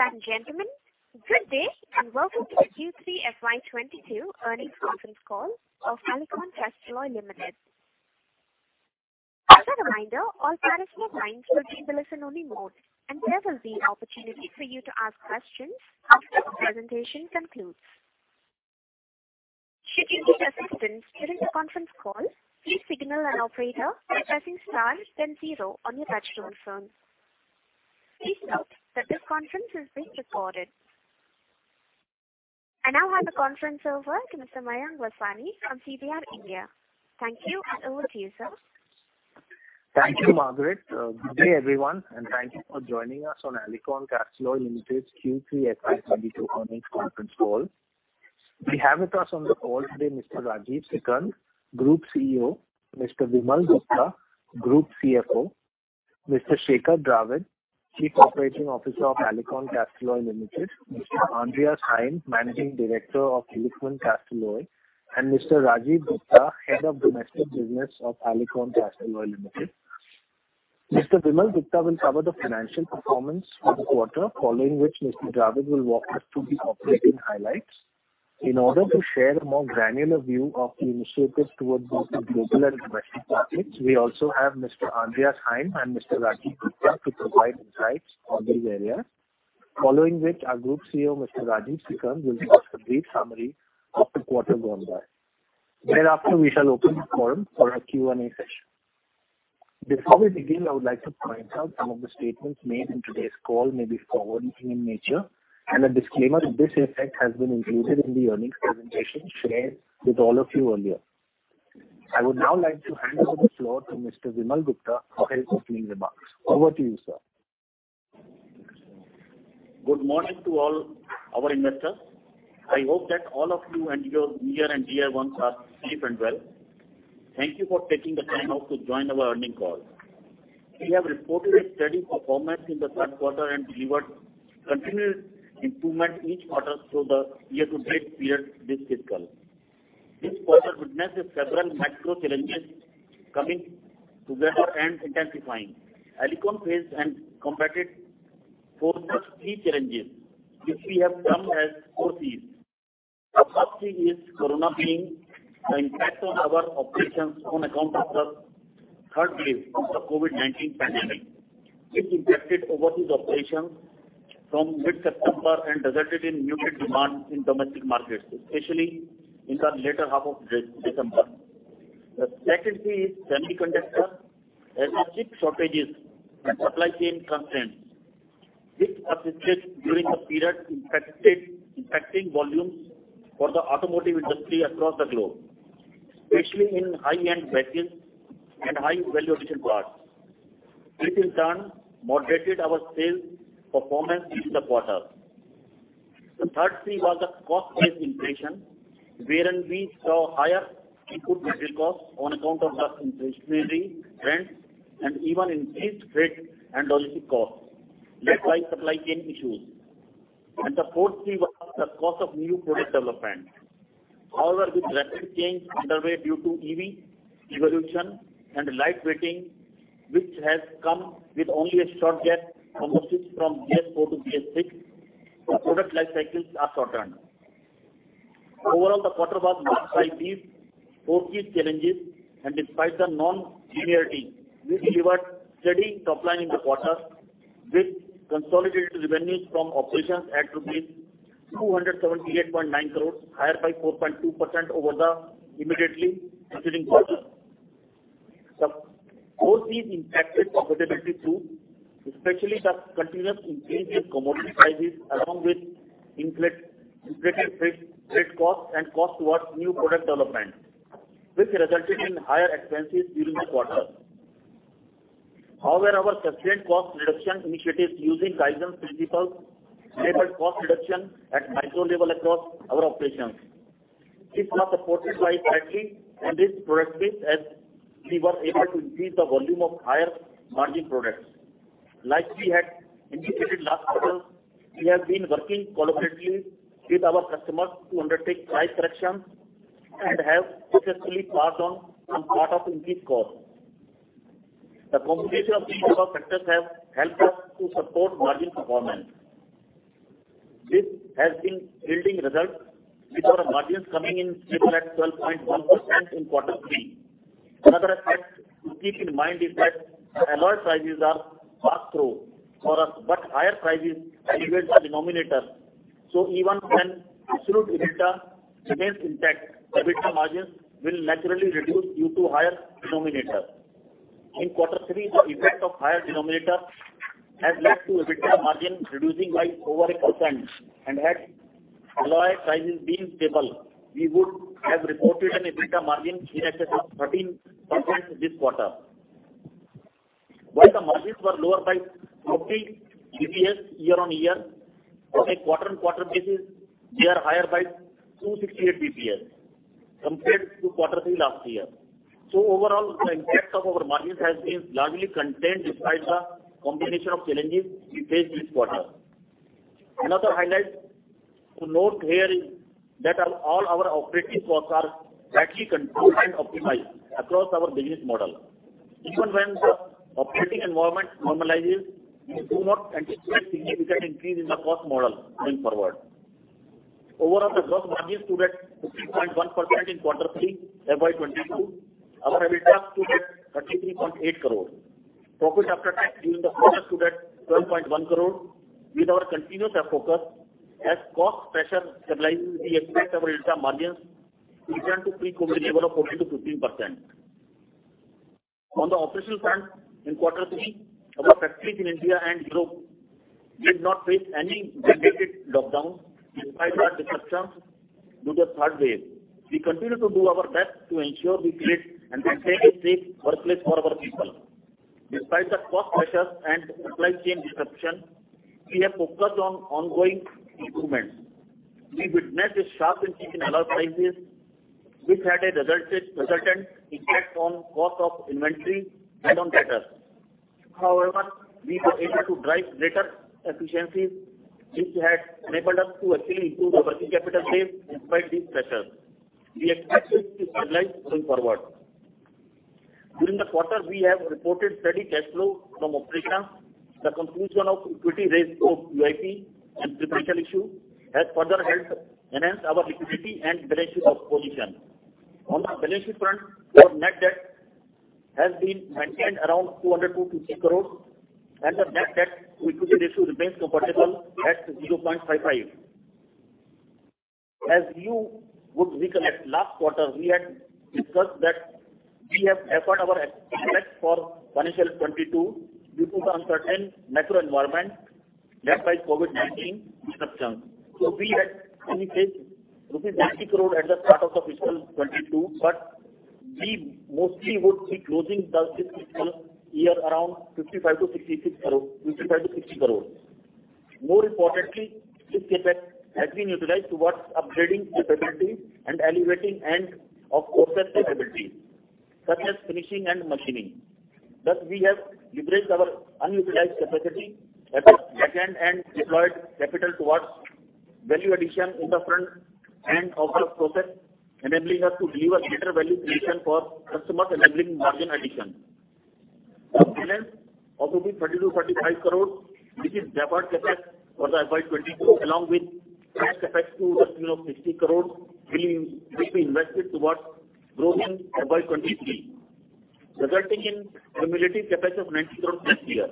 Ladies and gentlemen, good day and welcome to the Q3 FY 2022 earnings conference call of Alicon Castalloy Limited. As a reminder, all participant lines will be in the listen-only mode, and there will be opportunity for you to ask questions after the presentation concludes. Should you need assistance during the conference call, please signal an operator by pressing star then zero on your touchtone phone. Please note that this conference is being recorded. I now hand the conference over to Mr. Mayank Vaswani from CDR India. Thank you, and over to you, sir. Thank you, Margaret. Good day, everyone, and thank you for joining us on Alicon Castalloy Limited's Q3 FY 2022 earnings conference call. We have with us on the call today Mr. Rajeev Sikand, Group CEO, Mr. Vimal Gupta, Group CFO, Mr. Shekhar Dravid, Chief Operating Officer of Alicon Castalloy Limited, Mr. Andreas Heim, Managing Director of Alicon Castalloy, and Mr. Rajiv Gupta, Head of Domestic Business of Alicon Castalloy Limited. Mr. Vimal Gupta will cover the financial performance for the quarter, following which Mr. Dravid will walk us through the operating highlights. In order to share a more granular view of the initiatives towards both the global and domestic markets, we also have Mr. Andreas Heim and Mr. Rajiv Gupta to provide insights on these areas. Following which, our Group CEO, Mr. Rajeev Sikand, will give us a brief summary of the quarter gone by. Thereafter, we shall open the forum for our Q&A session. Before we begin, I would like to point out some of the statements made in today's call may be forward-looking in nature, and a disclaimer to this effect has been included in the earnings presentation shared with all of you earlier. I would now like to hand over the floor to Mr. Vimal Gupta for his opening remarks. Over to you, sir. Good morning to all our investors. I hope that all of you and your near and dear ones are safe and well. Thank you for taking the time out to join our earnings call. We have reported a steady performance in the third quarter and delivered continued improvement each quarter through the year-to-date period this fiscal. This quarter witnesses several macro challenges coming together and intensifying. Alicon faced and combated four such key challenges, which we have termed as four Cs. The first C is Corona, being the impact on our operations on account of the third wave of the COVID-19 pandemic, which impacted overseas operations from mid-September and resulted in muted demand in domestic markets, especially in the latter half of December. The second C is semiconductor, as in chip shortages and supply chain constraints, which persisted during the period impacted, impacting volumes for the automotive industry across the globe, especially in high-end vehicles and high-value addition products. This, in turn, moderated our sales performance in the quarter. The third C was the cost-price inflation, wherein we saw higher input material costs on account of the increasing rates and even increased freight and logistic costs, likewise supply chain issues. The fourth C was the cost of new product development. However, with rapid change underway due to EV evolution and light-weighting, which has come with only a short gap from the shift from BS-IV to BS-VI, the product life cycles are shortened. Overall, the quarter was marked by these four key challenges, and despite the nonlinearity, we delivered steady top line in the quarter with consolidated revenues from operations at rupees 278.9, higher by 4.2% over the immediately preceding quarter. The four Cs impacted profitability too, especially the continuous increase in commodity prices along with inflated freight costs and costs towards new product development, which resulted in higher expenses during this quarter. However, our sustained cost reduction initiatives using Kaizen principles enabled cost reduction at micro level across our operations. This was supported by factory and this product mix, as we were able to increase the volume of higher margin products. Like we had indicated last quarter, we have been working collaboratively with our customers to undertake price corrections and have successfully passed on some part of increased costs. The combination of these above factors have helped us to support margin performance. This has been yielding results with our margins coming in stable at 12.1% in quarter three. Another aspect to keep in mind is that alloy prices are pass-through for us, but higher prices elevate the denominator. Even when absolute EBITDA remains intact, EBITDA margins will naturally reduce due to higher denominator. In quarter three, the effect of higher denominator has led to EBITDA margin reducing by over 1%. Had alloy prices been stable, we would have reported an EBITDA margin in excess of 13% this quarter. While the margins were lower by 40 basis points year-on-year, on a quarter-on-quarter basis, they are higher by 268 basis points compared to quarter three last year. Overall, the impact of our margins has been largely contained despite the combination of challenges we faced this quarter. Another highlight to note here is that all our operating costs are tightly controlled and optimized across our business model. Even when the operating environment normalizes, we do not anticipate significant increase in the cost model going forward. Overall, the gross margins stood at 50.1% in quarter three FY 2022. Our EBITDA stood at 33.8. Profit after tax during the quarter stood at 12.1. With our continuous effort, as cost pressure stabilizes, we expect our EBITDA margins return to pre-COVID level of 14%-15%. On the operational front, in quarter three, our factories in India and Europe did not face any mandated lockdowns despite the disruptions due to third wave. We continue to do our best to ensure we create and maintain a safe workplace for our people. Despite the cost pressures and supply chain disruptions, we have focused on ongoing improvements. We witnessed a sharp increase in alloy prices, which had a resultant effect on cost of inventory and on debtors. However, we were able to drive greater efficiencies which had enabled us to actually improve our working capital base despite these pressures. We expect this to stabilize going forward. During the quarter, we have reported steady cash flow from operations. The conclusion of equity raise via QIP and preferential issue has further helped enhance our liquidity and balance sheet position. On the balance sheet front, our net debt has been maintained around 200-300 and the net debt equity ratio remains comfortable at 0.55. As you would recall, at last quarter, we had discussed that we have deferred our CapEx for fiscal 2022 due to the uncertain macro environment led by COVID-19 disruptions. We had only placed rupees 60 at the start of the fiscal 2022, but we mostly would be closing the fiscal year around INR 55-INR 60. More importantly, this CapEx has been utilized towards upgrading capabilities and elevating end of process capabilities, such as finishing and machining. We have leveraged our unutilized capacity at the back end and deployed capital towards value addition in the front end of the process, enabling us to deliver greater value creation for customers, enabling margin addition. Our balance of INR 30-INR 35, which is deferred CapEx for the FY 2022, along with fresh CapEx to the tune of INR 60 will be invested towards growth in FY 2023, resulting in cumulative CapEx of 90 this year.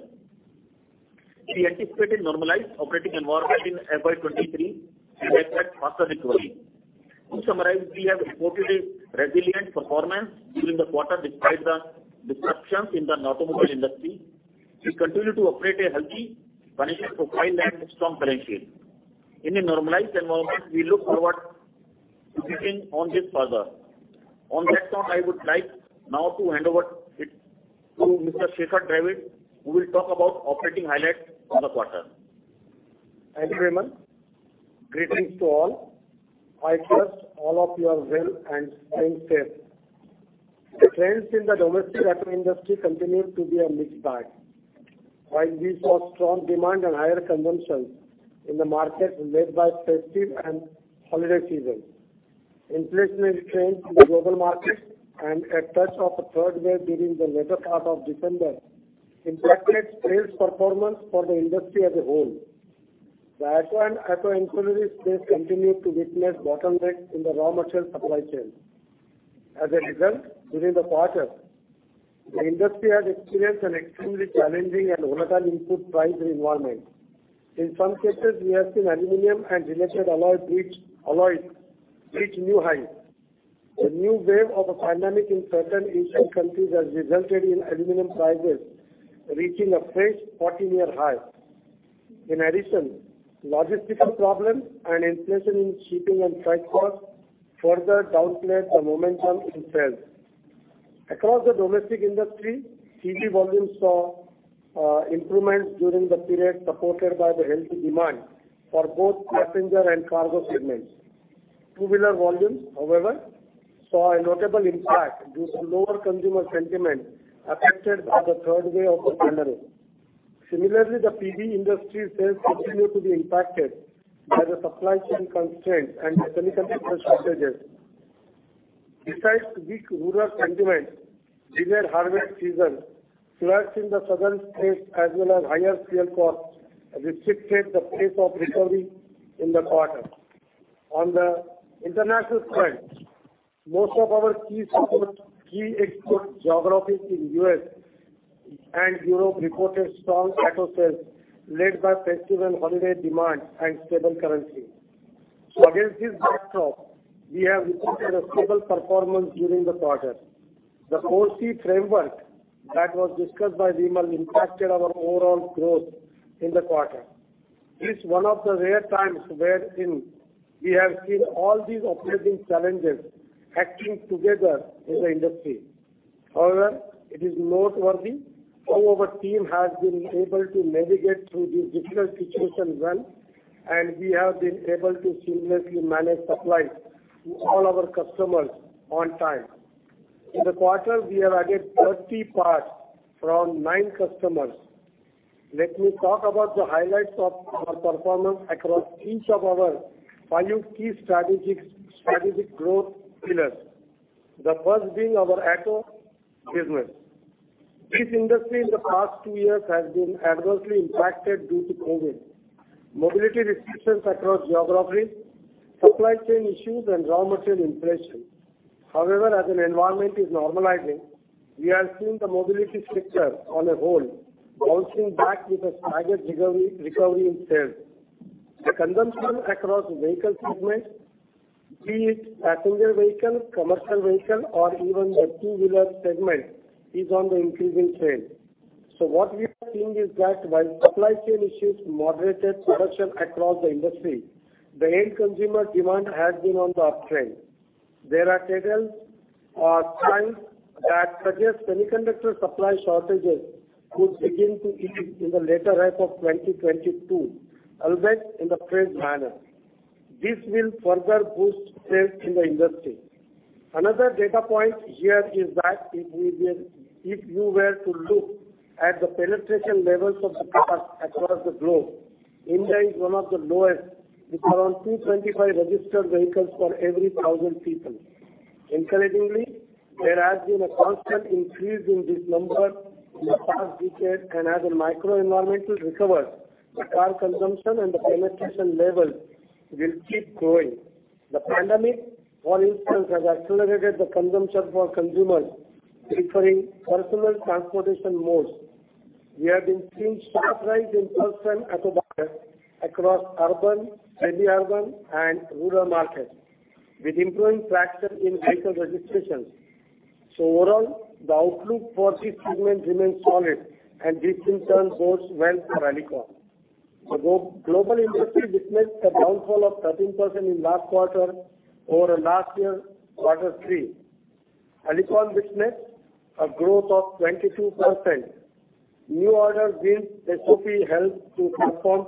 We anticipate a normalized operating environment in FY 2023 and expect faster recovery. To summarize, we have reported a resilient performance during the quarter despite the disruptions in the automobile industry. We continue to operate a healthy financial profile and strong balance sheet. In a normalized environment, we look forward to building on this further. On that note, I would like now to hand it over to Mr. Shekhar Dravid, who will talk about operating highlights for the quarter. Thank you, Vimal. Greetings to all. I trust all of you are well and staying safe. The trends in the domestic auto industry continued to be a mixed bag. While we saw strong demand and higher consumption in the market led by festive and holiday season, inflationary trends in the global market and a touch of the third wave during the latter part of December impacted sales performance for the industry as a whole. The auto and auto ancillary space continued to witness bottlenecks in the raw material supply chain. As a result, during the quarter, the industry has experienced an extremely challenging and volatile input pricing environment. In some cases, we have seen aluminum and related alloys reach new highs. The new wave of the pandemic in certain Asian countries has resulted in aluminum prices reaching a fresh 14-year high. In addition, logistical problems and inflation in shipping and freight costs further downplayed the momentum in sales. Across the domestic industry, CV volumes saw improvements during the period supported by the healthy demand for both passenger and cargo segments. 2-wheeler volumes, however, saw a notable impact due to lower consumer sentiment affected by the third wave of the pandemic. Similarly, the PV industry sales continued to be impacted by the supply chain constraints and mechanical equipment shortages. Besides weak rural sentiment, delayed harvest season, floods in the southern states as well as higher fuel costs restricted the pace of recovery in the quarter. On the international front, most of our key export geographies in U.S. and Europe reported strong auto sales led by festive and holiday demand and stable currency. Against this backdrop, we have reported a stable performance during the quarter. The four C framework that was discussed by Vimal impacted our overall growth in the quarter. It is one of the rare times wherein we have seen all these operating challenges acting together in the industry. However, it is noteworthy how our team has been able to navigate through this difficult situation well, and we have been able to seamlessly manage supplies to all our customers on time. In the quarter, we have added 30 parts from nine customers. Let me talk about the highlights of our performance across each of our five key strategic growth pillars. The first being our auto business. This industry in the past two years has been adversely impacted due to COVID, mobility restrictions across geographies, supply chain issues, and raw material inflation. However, as the environment is normalizing, we are seeing the mobility sector as a whole bouncing back with a staggered recovery in sales. The consumption across vehicle segments, be it passenger vehicle, commercial vehicle or even the 2-wheeler segment, is on the increasing trend. What we are seeing is that while supply chain issues moderated production across the industry, the end consumer demand has been on the uptrend. There are signals, signs that suggest semiconductor supply shortages could begin to ease in the latter half of 2022, albeit in a phased manner. This will further boost sales in the industry. Another data point here is that if you were to look at the penetration levels of the cars across the globe, India is one of the lowest, with around 225 registered vehicles for every 1,000 people. Encouragingly, there has been a constant increase in this number in the past decade, and as the macro environment recovers, the car consumption and the penetration levels will keep growing. The pandemic, for instance, has accelerated the consumption for consumers preferring personal transportation modes. We have been seeing sharp rise in personal automobile across urban, semi-urban and rural markets, with improving traction in auto registrations. Overall, the outlook for this segment remains solid, and this in turn bodes well for Alicon. The global industry witnessed a downfall of 13% in last quarter over last year quarter three. Alicon witnessed a growth of 22%. New order wins SOP helped to perform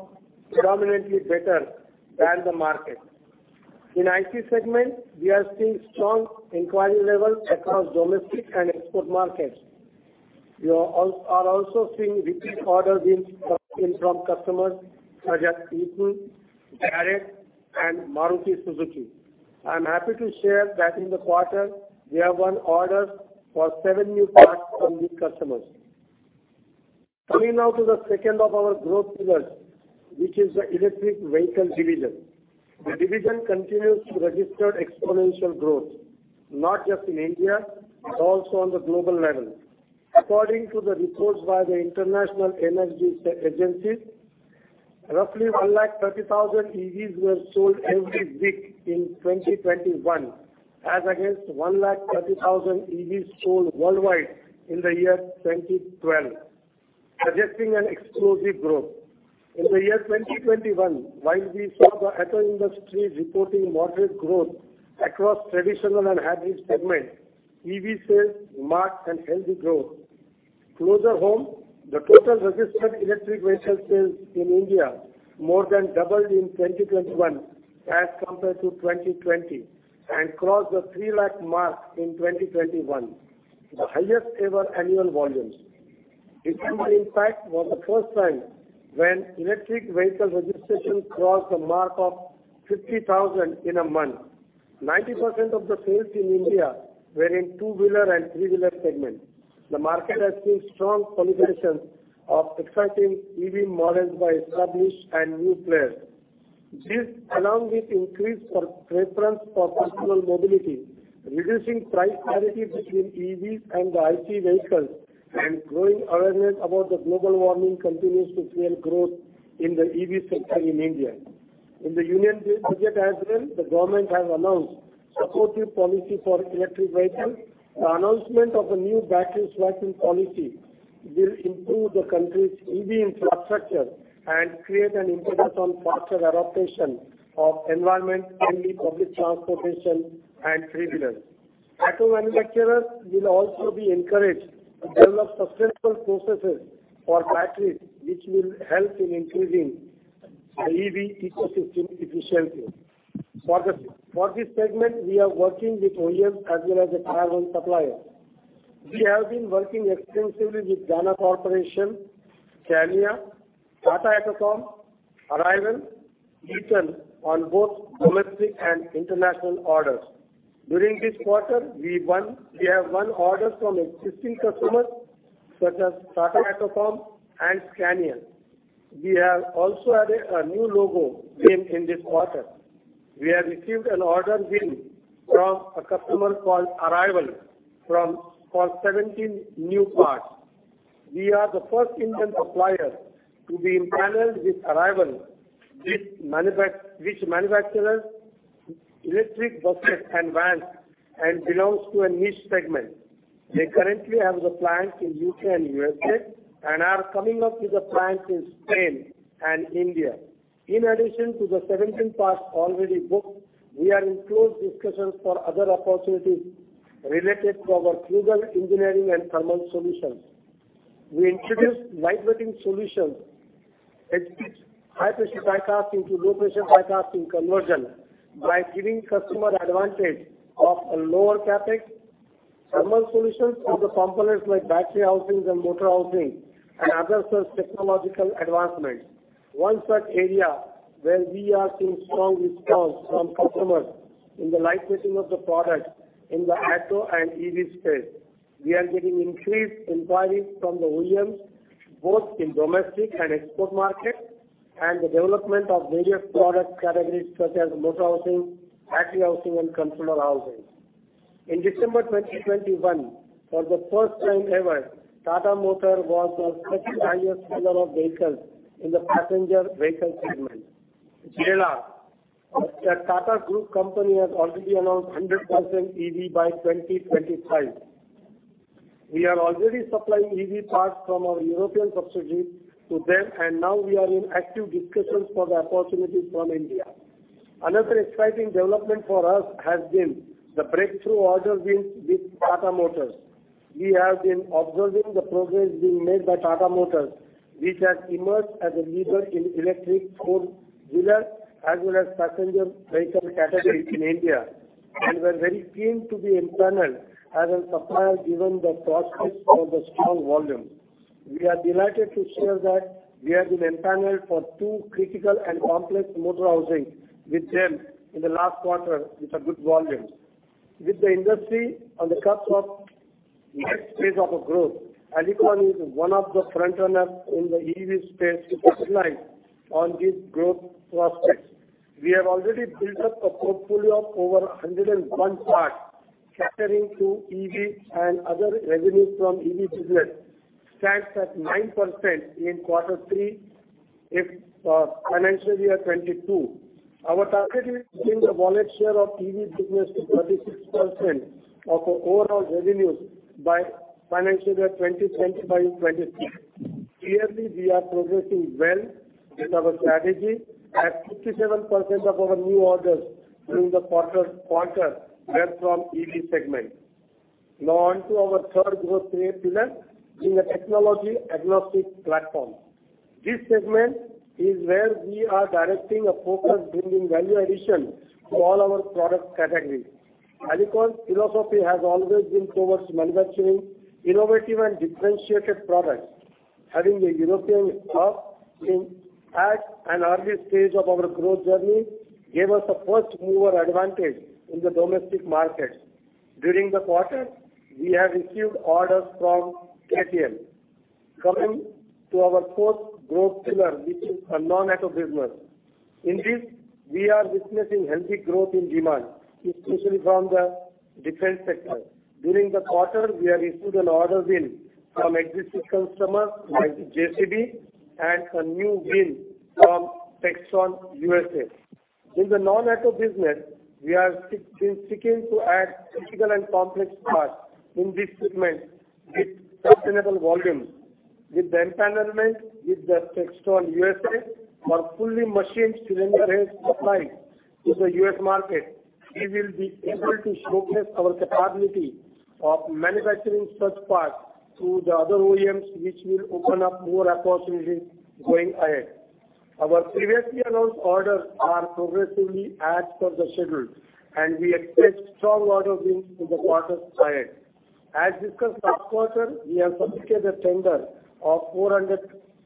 predominantly better than the market. In auto segment, we are seeing strong inquiry levels across domestic and export markets. We are also seeing repeat order wins from customers such as Nissan, Bajaj and Maruti Suzuki. I am happy to share that in the quarter we have won orders for seven new parts from these customers. Coming now to the second of our growth pillars, which is the electric vehicle division. The division continues to register exponential growth, not just in India, but also on the global level. According to the reports by the International Energy Agency, roughly 130,000 EVs were sold every week in 2021 as against 130,000 EVs sold worldwide in the year 2012, suggesting an explosive growth. In the year 2021, while we saw the auto industry reporting moderate growth across traditional and hybrid segments, EV sales marked a healthy growth. Closer home, the total registered electric vehicle sales in India more than doubled in 2021 as compared to 2020, and crossed the 300,000 mark in 2021, the highest ever annual volumes. December, in fact, was the first time when electric vehicle registrations crossed the mark of 50,000 in a month. 90% of the sales in India were in 2-wheeler and 3-wheeler segments. The market has seen strong consolidation of existing EV models by established and new players. This, along with increased preference for personal mobility, reducing price parity between EVs and the ICE vehicles, and growing awareness about global warming continues to fuel growth in the EV sector in India. In the Union Budget as well, the government has announced supportive policy for electric vehicles. The announcement of a new battery swapping policy will improve the country's EV infrastructure and create an impetus on faster adaptation of environment-friendly public transportation and 3-wheelers. Auto manufacturers will also be encouraged to develop sustainable processes for batteries, which will help in increasing the EV ecosystem efficiently. For this segment, we are working with OEMs as well as a Tier 1 supplier. We have been working extensively with Dana Incorporated, Scania, Tata AutoComp, Arrival, Eaton on both domestic and international orders. During this quarter, we have won orders from existing customers such as Tata AutoComp and Scania. We have also added a new logo win in this quarter. We have received an order win from a customer called Arrival for 17 new parts. We are the first Indian supplier to be empaneled with Arrival, which manufactures electric buses and vans and belongs to a niche segment. They currently have the plants in U.K. and U.S.A. and are coming up with a plant in Spain and India. In addition to the 17 parts already booked, we are in close discussions for other opportunities related to our fluid engineering and thermal solutions. We introduced vibration solutions, high pressure die casting to low pressure die casting conversion by giving customer advantage of a lower CapEx, thermal solutions for the components like battery housings and motor housing and other such technological advancements. One such area where we are seeing strong response from customers in the lightweighting of the product in the auto and EV space. We are getting increased inquiries from the OEMs, both in domestic and export market, and the development of various product categories such as motor housing, battery housing, and consumer housing. In December 2021, for the first time ever, Tata Motors was the second highest seller of vehicles in the passenger vehicle segment. Jaguar, a Tata Group company, has already announced 100% EV by 2025. We are already supplying EV parts from our European subsidiaries to them, and now we are in active discussions for the opportunities from India. Another exciting development for us has been the breakthrough order wins with Tata Motors. We have been observing the progress being made by Tata Motors, which has emerged as a leader in electric 4-wheeler as well as passenger vehicle category in India. We're very keen to be empaneled as a supplier given the prospects for the strong volume. We are delighted to share that we have been empaneled for two critical and complex motor housings with them in the last quarter with a good volume. With the industry on the cusp of next phase of a growth, Alicon is one of the frontrunners in the EV space to capitalize on these growth prospects. We have already built up a portfolio of over 101 parts catering to EV, and our revenues from EV business stands at 9% in quarter three of financial year 2022. Our target is to bring the wallet share of EV business to 36% of our overall revenues by financial year 2025-2026. Clearly, we are progressing well with our strategy as 57% of our new orders during the quarter were from EV segment. Now on to our third growth pillar, being a technology-agnostic platform. This segment is where we are directing our focus, bringing value addition to all our product categories. Alicon's philosophy has always been towards manufacturing innovative and differentiated products. Having the European hub being at an early stage of our growth journey gave us a first-mover advantage in the domestic markets. During the quarter, we have received orders from KTM. Coming to our fourth growth pillar, which is a non-auto business. In this, we are witnessing healthy growth in demand, especially from the defense sector. During the quarter, we have received an order win from existing customer like JCB and a new win from Textron USA. In the non-auto business, we have been seeking to add critical and complex parts in this segment with sustainable volumes. With the empanelment with the Textron USA for fully machined cylinder heads supply to the U.S. market, we will be able to showcase our capability of manufacturing such parts to the other OEMs, which will open up more opportunities going ahead. Our previously announced orders are progressing as per the schedule, and we expect strong order wins in the quarters ahead. As discussed last quarter, we have submitted a tender of 4,000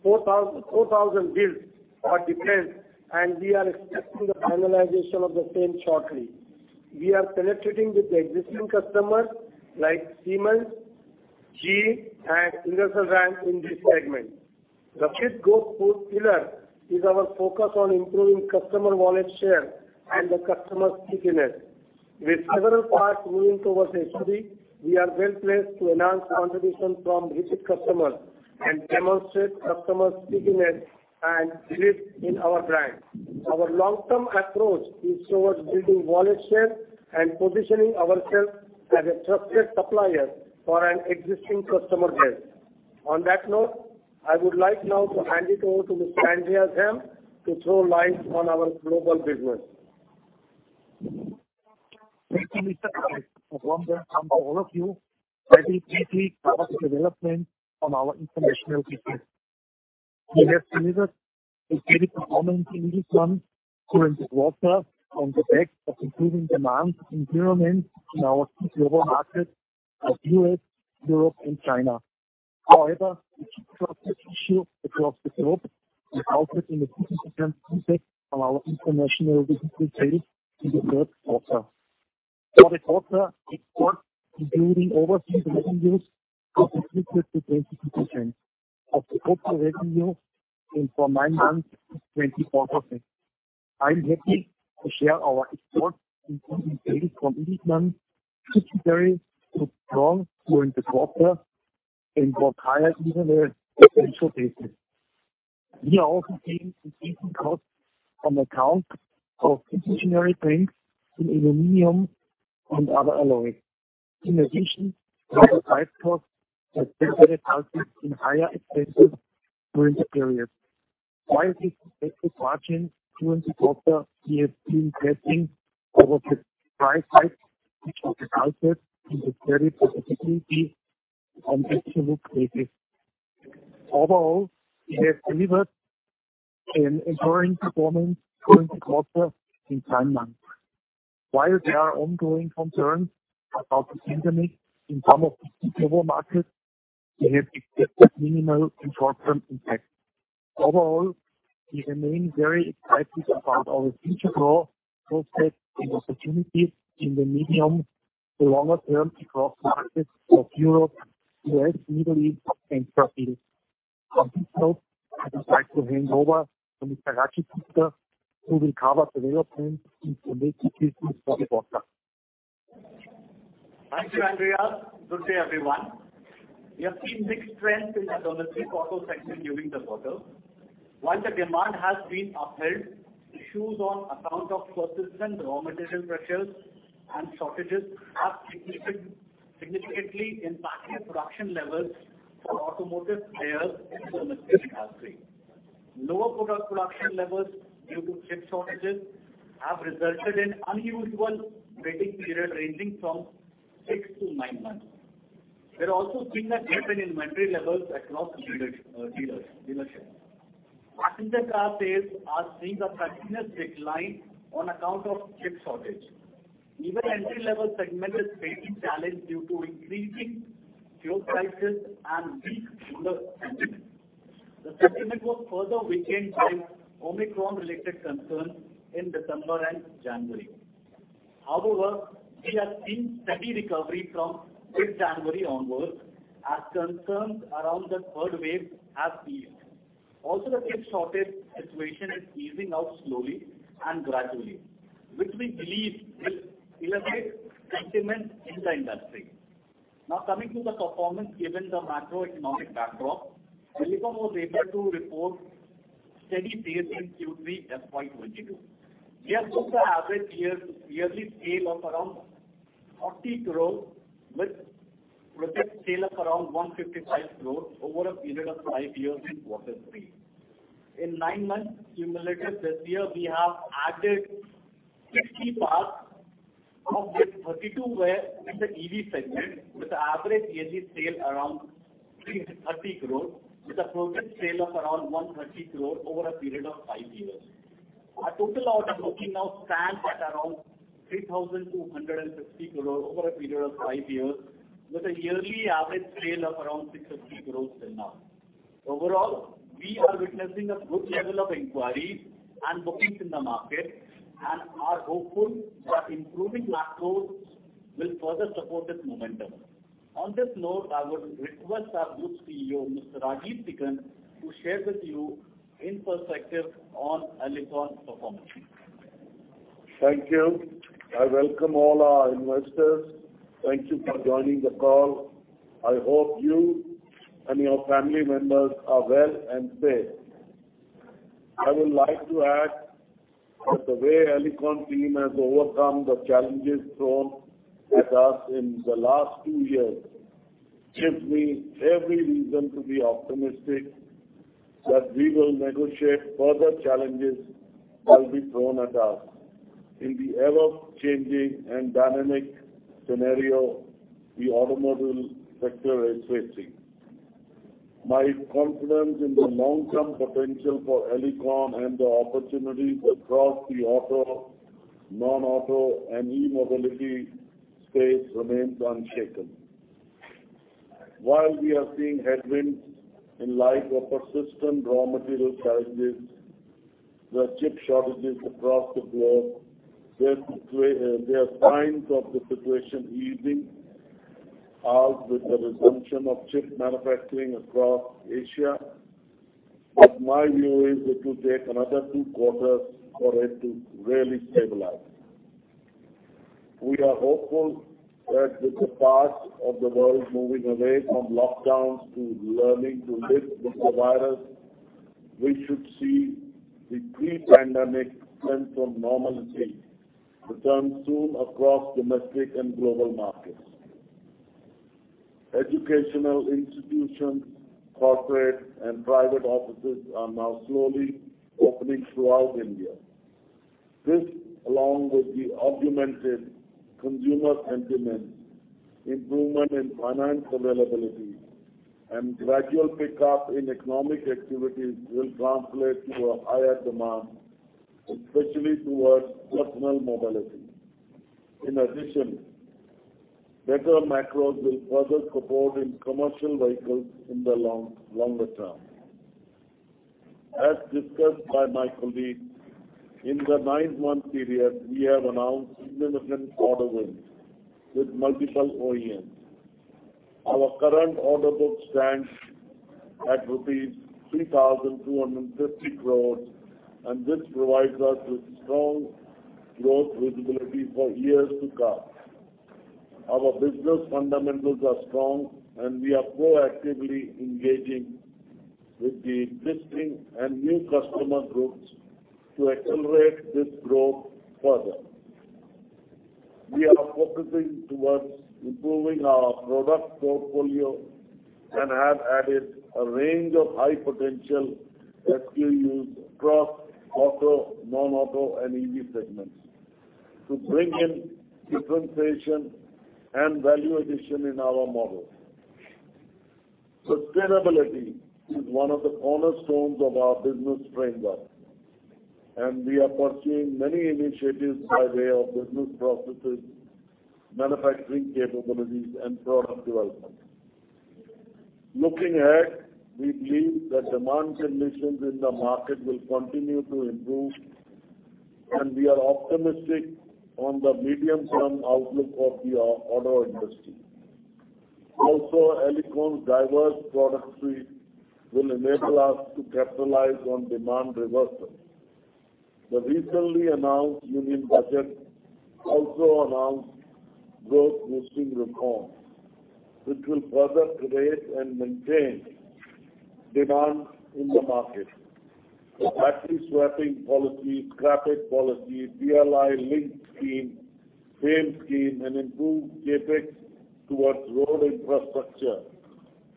wheels for defense, and we are expecting the finalization of the same shortly. We are penetrating with the existing customers like Siemens, GE, and Ingersoll Rand in this segment. The fourth pillar is our focus on improving customer wallet share and the customer stickiness. With several parts moving towards SUV, we are well-placed to enhance contribution from existing customers and demonstrate customer stickiness and belief in our brand. Our long-term approach is towards building wallet share and positioning ourselves as a trusted supplier for an existing customer base. On that note, I would like now to hand it over to Mr. Andreas Heim to throw light on our global business. Thank you, Mr. Ganesh. I welcome all of you. I will briefly cover the development on our international business. We have delivered a steady performance in this one during the quarter on the back of improving demand environment in our key global markets of U.S., Europe, and China. However, the chip shortage issue across the globe has resulted in a significant impact on our international business sales in the third quarter. For the quarter, exports including overseas revenues contributed to 22% of the total revenues, and for nine months, it's 24%. I'm happy to share our exports including sales from Illichmann subsidiary was strong during the quarter and got higher even than the actual basis. We are also seeing increasing costs on account of inflationary trends in aluminum and other alloys. In addition, higher price costs has definitely helped us in higher expenses during the period. While we've kept the margin during the quarter, we have been passing over the price hikes which has resulted in the steady profitability. On absolute basis. Overall, we have delivered an enduring performance during the quarter and nine months. While there are ongoing concerns about this pandemic in some of the key global markets, we have experienced minimal and short-term impact. Overall, we remain very excited about our future growth prospects and opportunities in the medium to longer term across markets of Europe, U.S., Middle East, and Turkey. On this note, I would like to hand over to Mr. Rajiv Gupta, who will cover developments in the legacy business for the quarter. Thank you, Andreas. Good day, everyone. We have seen mixed trends in the automotive sector during the quarter. While the demand has been upheld, issues on account of persistent raw material pressures and shortages are significantly impacting production levels for automotive players in the domestic industry. Lower product production levels due to chip shortages have resulted in unusual waiting period ranging from 6-9 months. There are also thinner inventory levels across dealers, dealerships. Passenger car sales are seeing a continuous decline on account of chip shortage. Even entry-level segment is facing challenge due to increasing fuel prices and weak consumer sentiment. The sentiment was further weakened by Omicron related concerns in December and January. However, we have seen steady recovery from mid-January onwards as concerns around the third wave have eased. The chip shortage situation is easing out slowly and gradually, which we believe will elevate sentiment in the industry. Now coming to the performance, given the macroeconomic backdrop, Alicon was able to report steady pace in Q3 FY22. We have booked an average yearly sales of around INR 40 with project sales of around 150 over a period of five years in quarter three. In nine months cumulative this year, we have added 60 parts of which 32 were in the EV segment with average yearly sales around 330, with a project sales of around 130 over a period of five years. Our total order booking now stands at around 3,250 over a period of five years with a yearly average sales of around 650 till now. Overall, we are witnessing a good level of inquiries and bookings in the market and are hopeful that improving macros will further support this momentum. On this note, I would request our group CEO, Mr. Rajeev Sikand, to share with you his perspective on Alicon performance. Thank you. I welcome all our investors. Thank you for joining the call. I hope you and your family members are well and safe. I would like to add that the way Alicon team has overcome the challenges thrown at us in the last two years gives me every reason to be optimistic that we will negotiate further challenges that will be thrown at us in the ever-changing and dynamic scenario the automobile sector is facing. My confidence in the long-term potential for Alicon and the opportunities across the auto, non-auto, and e-mobility space remains unshaken. While we are seeing headwinds in light of persistent raw material challenges, the chip shortages across the globe, there are signs of the situation easing out with the resumption of chip manufacturing across Asia. My view is it will take another two quarters for it to really stabilize. We are hopeful that with the parts of the world moving away from lockdowns to learning to live with the virus, we should see the pre-pandemic sense of normalcy return soon across domestic and global markets. Educational institutions, corporate, and private offices are now slowly opening throughout India. This, along with the augmented consumer sentiment, improvement in finance availability, and gradual pickup in economic activities will translate to a higher demand, especially towards personal mobility. In addition, better macros will further support in commercial vehicles in the long, longer term. As discussed by my colleague, in the nine-month period, we have announced significant order wins with multiple OEMs. Our current order book stands at rupees 3,250, and this provides us with strong growth visibility for years to come. Our business fundamentals are strong, and we are proactively engaging with the existing and new customer groups to accelerate this growth further. We are focusing towards improving our product portfolio and have added a range of high potential SKUs across auto, non-auto, and EV segments to bring in differentiation and value addition in our model. Sustainability is one of the cornerstones of our business framework, and we are pursuing many initiatives by way of business processes, manufacturing capabilities, and product development. Looking ahead, we believe that demand conditions in the market will continue to improve, and we are optimistic on the medium-term outlook of the auto industry. Also, Alicon's diverse product suite will enable us to capitalize on demand reversal. The recently announced Union Budget also announced growth-boosting reforms which will further create and maintain demand in the market. The battery swapping policy, scrappage policy, PLI link scheme, FAME scheme, and improved CapEx towards road infrastructure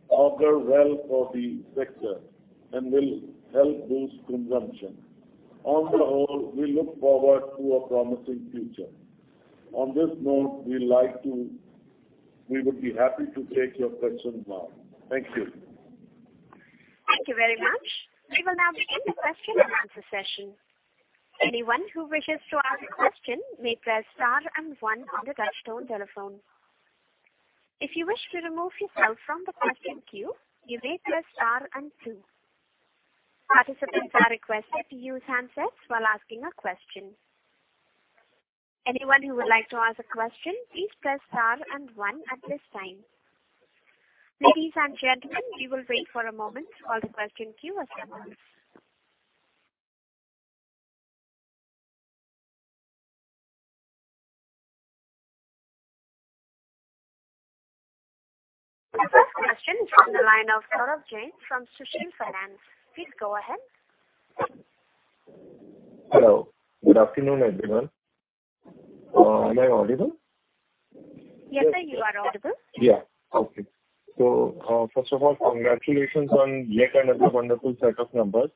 all go well for the sector and will help boost consumption. On the whole, we look forward to a promising future. On this note, we would be happy to take your questions now. Thank you. Thank you very much. We will now begin the question-and-answer session. Anyone who wishes to ask a question may press star and one on their touchtone telephone. If you wish to remove yourself from the question queue, you may press star and two. Participants are requested to use handsets while asking a question. Anyone who would like to ask a question, please press star and one at this time. Ladies and gentlemen, we will wait for a moment for the question queue to assemble. The first question is from the line of Gaurav Jain from Sushil Finance. Please go ahead. Hello. Good afternoon, everyone. Am I audible? Yes, sir, you are audible. Yeah. Okay. First of all, congratulations on yet another wonderful set of numbers,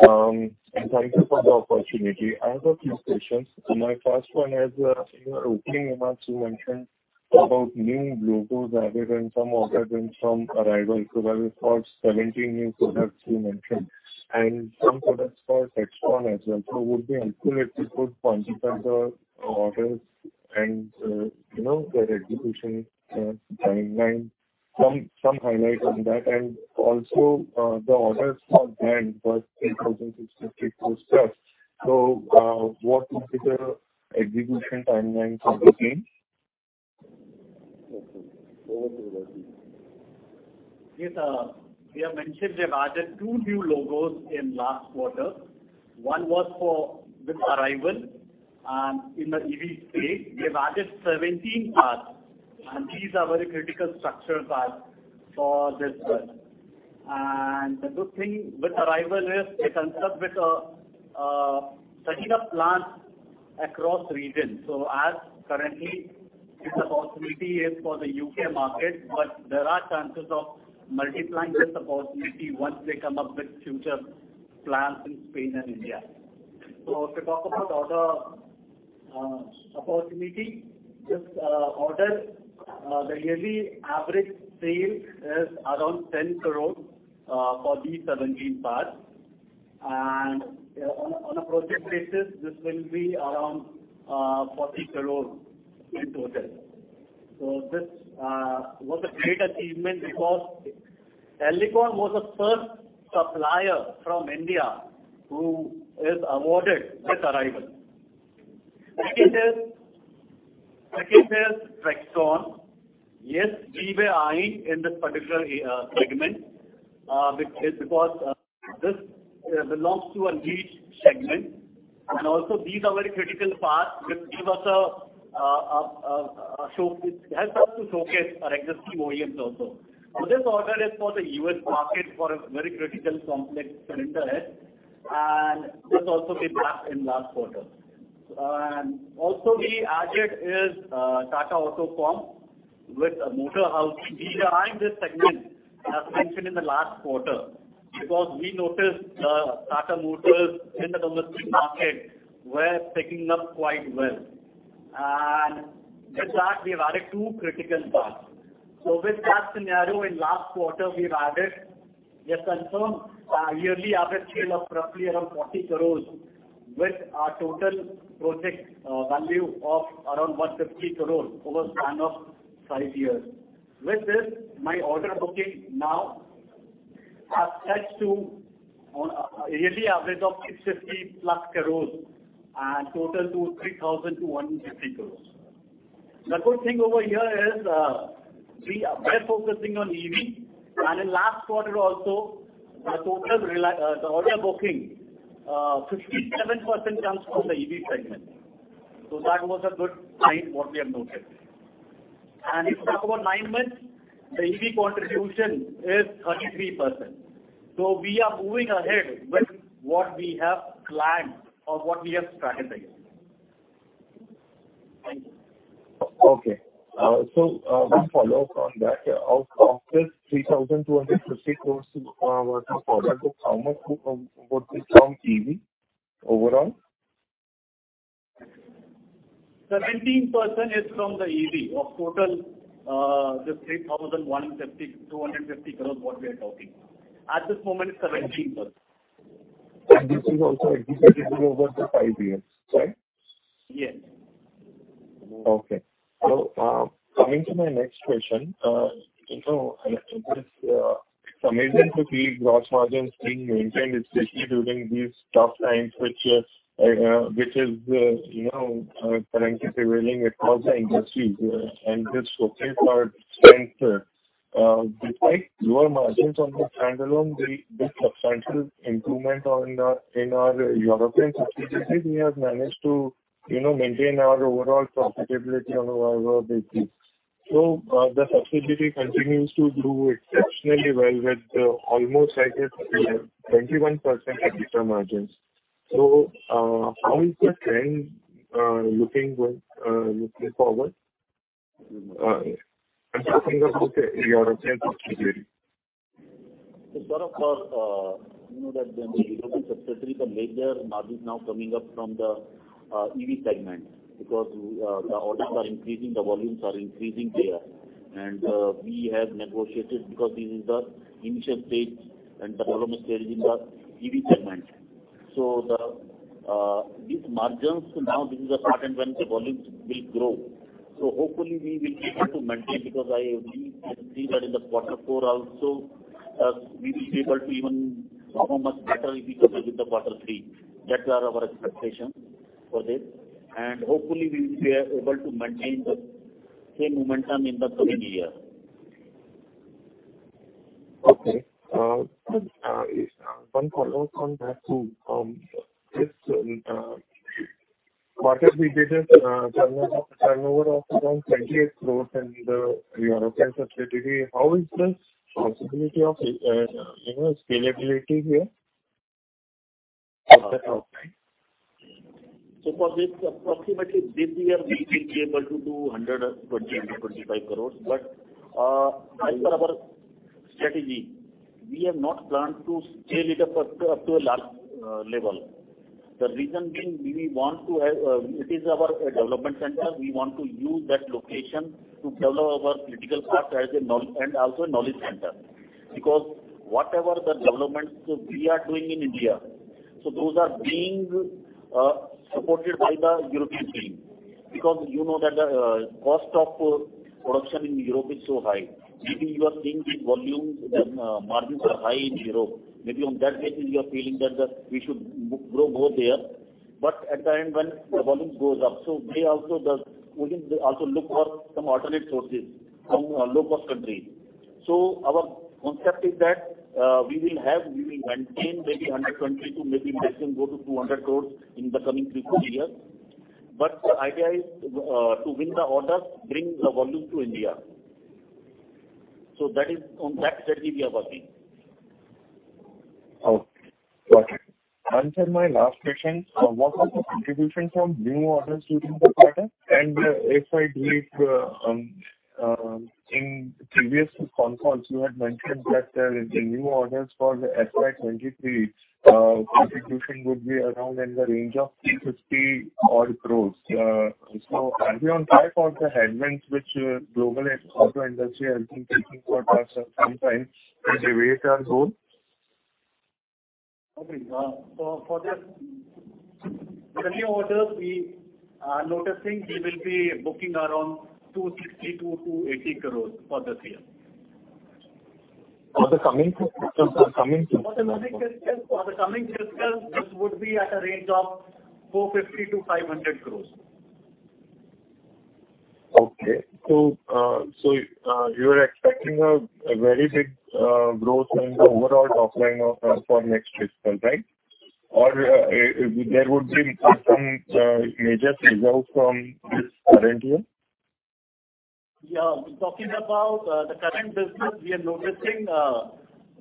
and thank you for the opportunity. I have a few questions, and my first one is in your opening remarks, you mentioned about new logos added and some orders and some Arrival equivalent for 17 new products you mentioned, and some products for Textron as well. Would you include a few points about the orders and, you know, their execution timeline, some highlight on that. And also, the orders for BMW worth INR 3,654. What is the execution timeline for the same? Over to you, Rajiv. Yes, we have mentioned we have added two new logos in last quarter. One was with Arrival, and in the EV space we have added 17 parts, and these are very critical structural parts for this bus. The good thing with Arrival is they've come up with 30 plants across regions. Currently this opportunity is for the U.K. market, but there are chances of multiplying this opportunity once they come up with future plants in Spain and India. To talk about order opportunity, this order, the yearly average sale is around 10 for these 17 parts. On a project basis, this will be around 40 in total. This was a great achievement because Alicon was the first supplier from India who is awarded with Arrival. Second is Textron. Yes, we were eyeing in this particular segment because this belongs to a niche segment. These are very critical parts which help us to showcase our existing OEMs also. This order is for the U.S. market for a very critical complex cylinder head, and this also we got in last quarter. We added Tata AutoComp with a motor housing. We were eyeing this segment, as mentioned in the last quarter, because we noticed Tata Motors in the domestic market were picking up quite well. With that we have added two critical parts. With that scenario in last quarter, we have confirmed a yearly average sale of roughly around 40 with a total project value of around 150 over span of five years. With this, my order booking now are stretched to on a yearly average of +850 and total to 3,150. The good thing over here is, we are best focusing on EV. In last quarter also the order booking, 57% comes from the EV segment. That was a good sign what we have noted. If you talk about nine months, the EV contribution is 33%. We are moving ahead with what we have planned or what we have strategized. Thank you. Okay. One follow-up on that. Of this 3,250, what proportion of how much is from EV overall? 17% is from the EV of total, this 250 what we are talking. At this moment, 17%. This is also expected to go over the five years, right? Yes. Okay, coming to my next question, you know, it is amazing to see gross margins being maintained, especially during these tough times, which is, you know, currently prevailing across the industry. This showcase our strength, despite lower margins on the standalone, the substantial improvement in our European subsidiary, we have managed to, you know, maintain our overall profitability on an overall basis. The subsidiary continues to do exceptionally well with almost like a 21% EBITDA margins. How is the trend looking forward? I'm talking about the European subsidiary. As far as our, you know that the European subsidiary can make their margins now coming up from the EV segment because the orders are increasing, the volumes are increasing there. We have negotiated because this is the initial stage and development stage in the EV segment. These margins now this is the start and when the volumes will grow. Hopefully we will be able to maintain because we can see that in the quarter four also, we will be able to even perform much better if we compare with the quarter three. That are our expectations for this. Hopefully we will be able to maintain the same momentum in the coming year. Okay. One follow-up on that too. In this market, we did a turnover of around 28 in the European subsidiary. How is the possibility of, you know, scalability here at that point? Approximately this year we will be able to do 125. As per our strategy, we have not planned to scale it up to a large level. The reason being we want to have it is our development center. We want to use that location to develop our critical parts as a know-how and also a knowledge center. Because whatever the developments we are doing in India, those are being supported by the European team. Because you know that the cost of production in Europe is so high. Maybe you are seeing these volumes, margins are high in Europe. Maybe on that basis you are feeling that we should grow there. At the end when the volumes goes up, wouldn't they also look for some alternate sources from a low cost country. Our concept is that, we will have, we will maintain maybe 120 to maybe maximum go to 200 in the coming few years. The idea is, to win the orders, bring the volumes to India. That is on that strategy we are working. Okay. Got it. Sir, my last question. What was the contribution from new orders during the quarter? If I believe, in previous con calls you had mentioned that the new orders for the FY 2023 contribution would be around in the range of 350-odd. So are we on track despite the headwinds which the global auto industry has been facing for some time to achieve our goal? For this new orders, we are noticing we will be booking around 260-280 for this year. For the coming fiscal? For the coming fiscal, this would be at a range of 450-500. Okay. You are expecting a very big growth in the overall topline for next fiscal, right? Or there would be some major results from this current year? Yeah. Talking about the current business, we are noticing the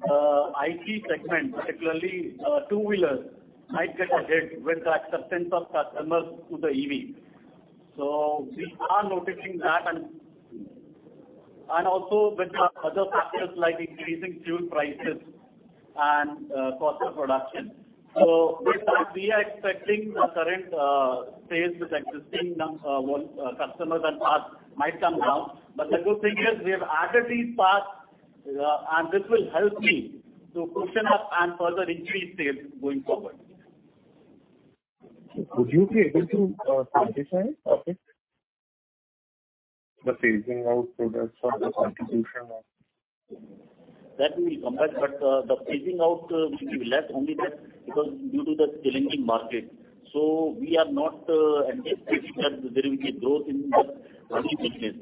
auto segment, particularly 2-wheelers, might get ahead with the acceptance of customers to the EV. We are noticing that and also with the other factors like increasing fuel prices and cost of production. With that we are expecting the current sales with existing customers and parts might come down. The good thing is we have added these parts, and this will help us cushion up and further increase sales going forward. Would you be able to quantify it? Okay. The phasing out products or the contribution of. That we'll compare, but the phasing out will be less only that because due to the challenging market. We are not anticipating that there will be a growth in this business.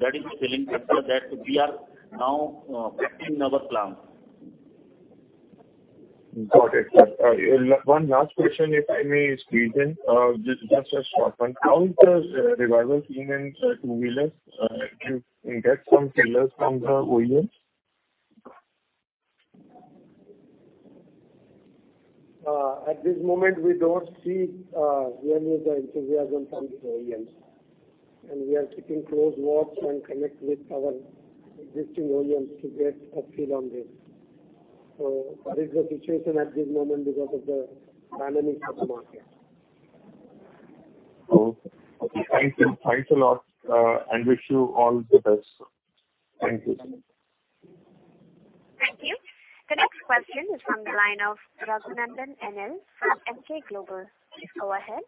That is the challenge after that we are now perfecting our plan. Got it. One last question, if I may, regarding just a short one. How is the revival seen in 2-wheelers? Did you get some feelers from the OEMs? At this moment we don't see any of the enthusiasm from the OEMs. We are keeping close watch and connect with our existing OEMs to get a feel on this. That is the situation at this moment because of the dynamics of the market. Okay. Thank you. Thanks a lot, and wish you all the best. Thank you. Thank you. The next question is from the line of Rajanandan N. L from SKP Securities. Please go ahead.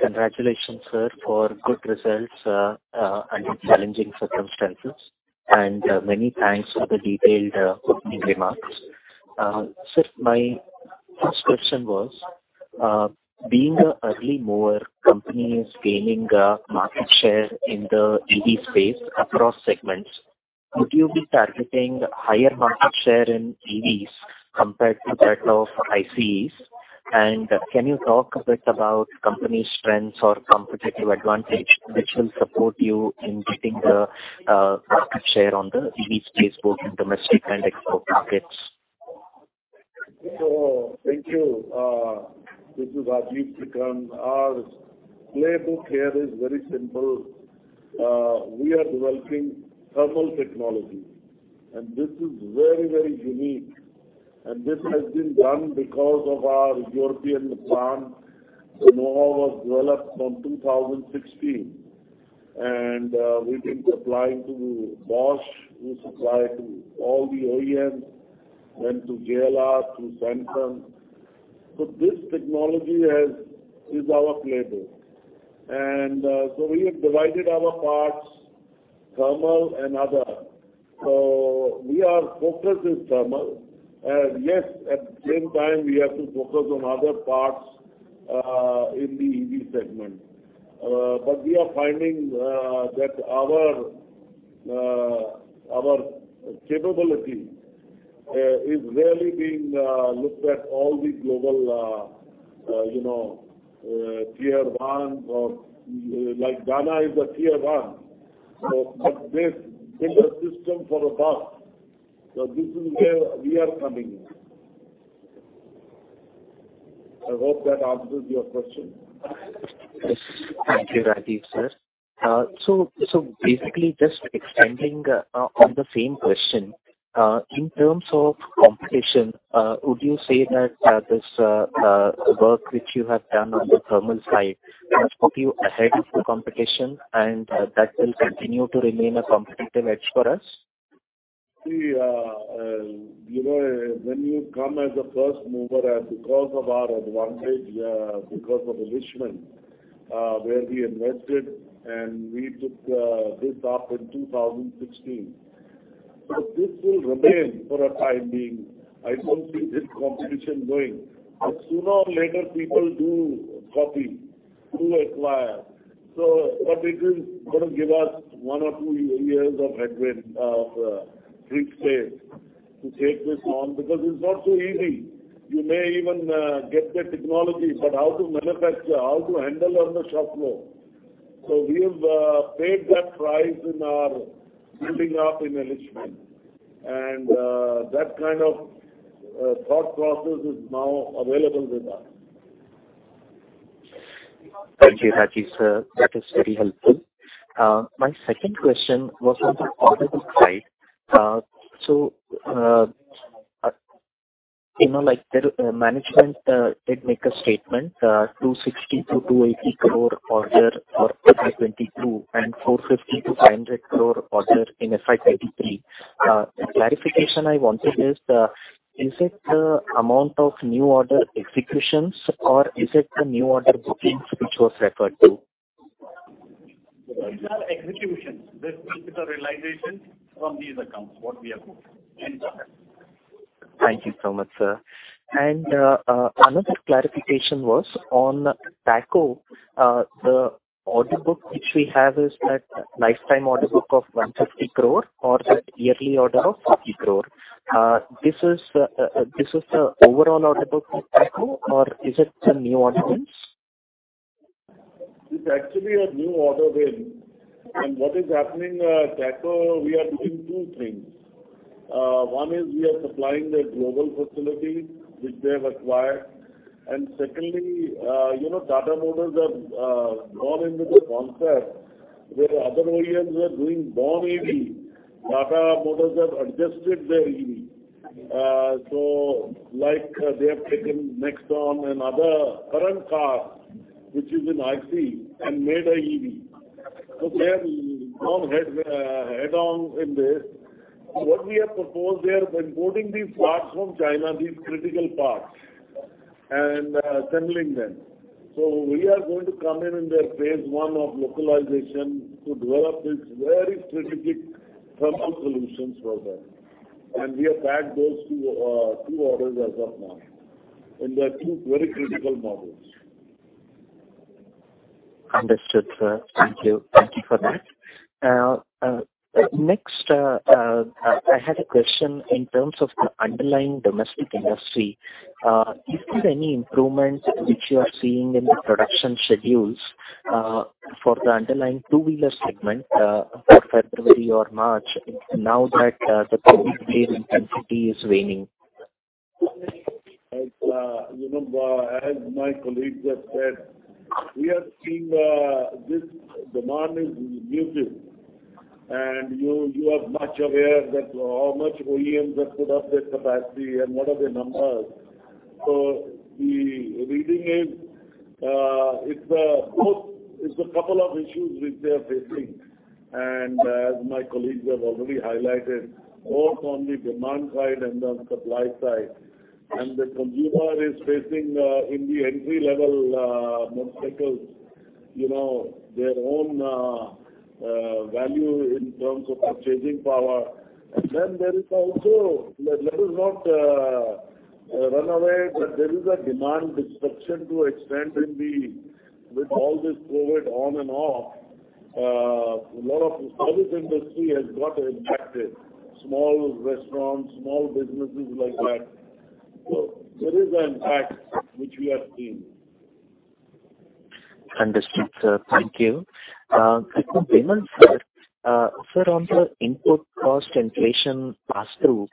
Congratulations, sir, for good results under challenging circumstances. Many thanks for the detailed opening remarks. Sir, my first question was, being an early mover company is gaining market share in the EV space across segments. Would you be targeting higher market share in EVs compared to that of ICEs? Can you talk a bit about company's strengths or competitive advantage which will support you in getting the market share in the EV space, both in domestic and export markets? Thank you. This is Rajeev Sikand. Our playbook here is very simple. We are developing thermal technology, and this is very, very unique. This has been done because of our European plant, the know-how was developed from 2016. We've been supplying to Bosch, we supply to all the OEMs and to JLR, to Samsung. This technology is our playbook. We have divided our parts, thermal and other. We are focused in thermal. Yes, at the same time, we have to focus on other parts in the EV segment. We are finding that our capability is really being looked at all the global you know Tier 1 or like Dana is a Tier 1. This is a system for a bus. This is where we are coming in. I hope that answers your question. Yes. Thank you, Rajeev sir. So basically just extending on the same question, in terms of competition, would you say that this work which you have done on the thermal side has put you ahead of the competition and that will continue to remain a competitive edge for us? You know, when you come as a first mover and because of our advantage, because of Illichmann, where we invested and we took this up in 2016. This will remain for a time being. I don't see this competition going. Sooner or later, people do copy, do acquire. It will gonna give us one or two years of headwind, of free space to take this on, because it's not so easy. You may even get the technology, but how to manufacture, how to handle on the shop floor. We have paid that price in our building up in Illichmann. That kind of thought process is now available with us. Thank you, Rajeev, sir. That is very helpful. My second question was on the order book side. So, you know, like, the management did make a statement, 260-280 order for FY 2022 and 450-500 order in FY 2023. The clarification I wanted is it the amount of new order executions or is it the new order bookings which was referred to? These are executions. This is the realization from these accounts, what we have booked. End of that. Thank you so much, sir. Another clarification was on Tata. The order book which we have is that lifetime order book of 150 or that yearly order of 50. This is the overall order book for Tata or is it the new order wins? It's actually a new order win. What is happening, Tata, we are doing two things. One is we are supplying their global facility which they have acquired. Secondly, you know, Tata Motors have gone into the concept where other OEMs are doing born EV. Tata Motors have adopted their EV. So like they have taken Nexon and other current car which is an ICE and made a EV. So they have gone head on in this. What we have proposed, they are importing these parts from China, these critical parts, and assembling them. So we are going to come in their phase one of localization to develop these very strategic thermal solutions for them. We have tagged those two orders as of now. They are two very critical models. Understood, sir. Thank you. Thank you for that. Next, I had a question in terms of the underlying domestic industry. Is there any improvement which you are seeing in the production schedules? For the underlying 2-wheeler segment, for February or March, now that the COVID wave intensity is waning. You know, as my colleague just said, we are seeing this demand is muted. You are much aware that how much OEMs have put up their capacity and what are the numbers. The reading is, it's both, it's a couple of issues which they are facing. As my colleagues have already highlighted, both on the demand side and on supply side, and the consumer is facing in the entry-level motorcycles, you know, their own value in terms of purchasing power. There is also, let us not run away, but there is a demand disruption to an extent in the. With all this COVID on and off, a lot of service industry has got impacted, small restaurants, small businesses like that. There is an impact which we are seeing. Understood, sir. Thank you. Mr. Gupta sir, on the input cost inflation pass-through,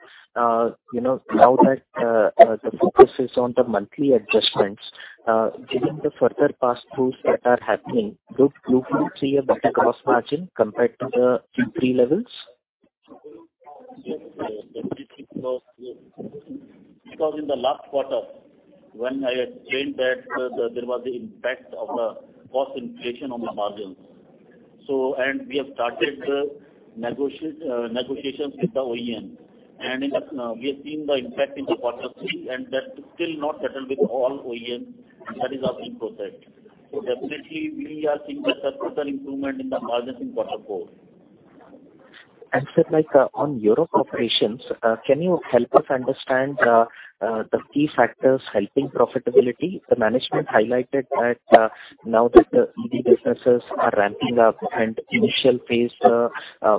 you know, now that the focus is on the monthly adjustments, given the further pass-throughs that are happening, would you see a better gross margin compared to the pre-levels? Yes, sir. Definitely, because in the last quarter, when I had changed that, there was the impact of the cost inflation on the margins. We have started the negotiations with the OEM. We are seeing the impact in quarter three, and that's still not settled with all OEM. That is in process. Definitely, we are seeing better improvement in the margins in quarter four. Sir, like, on Europe operations, can you help us understand the key factors helping profitability? The management highlighted that, now that the EV businesses are ramping up and initial phase,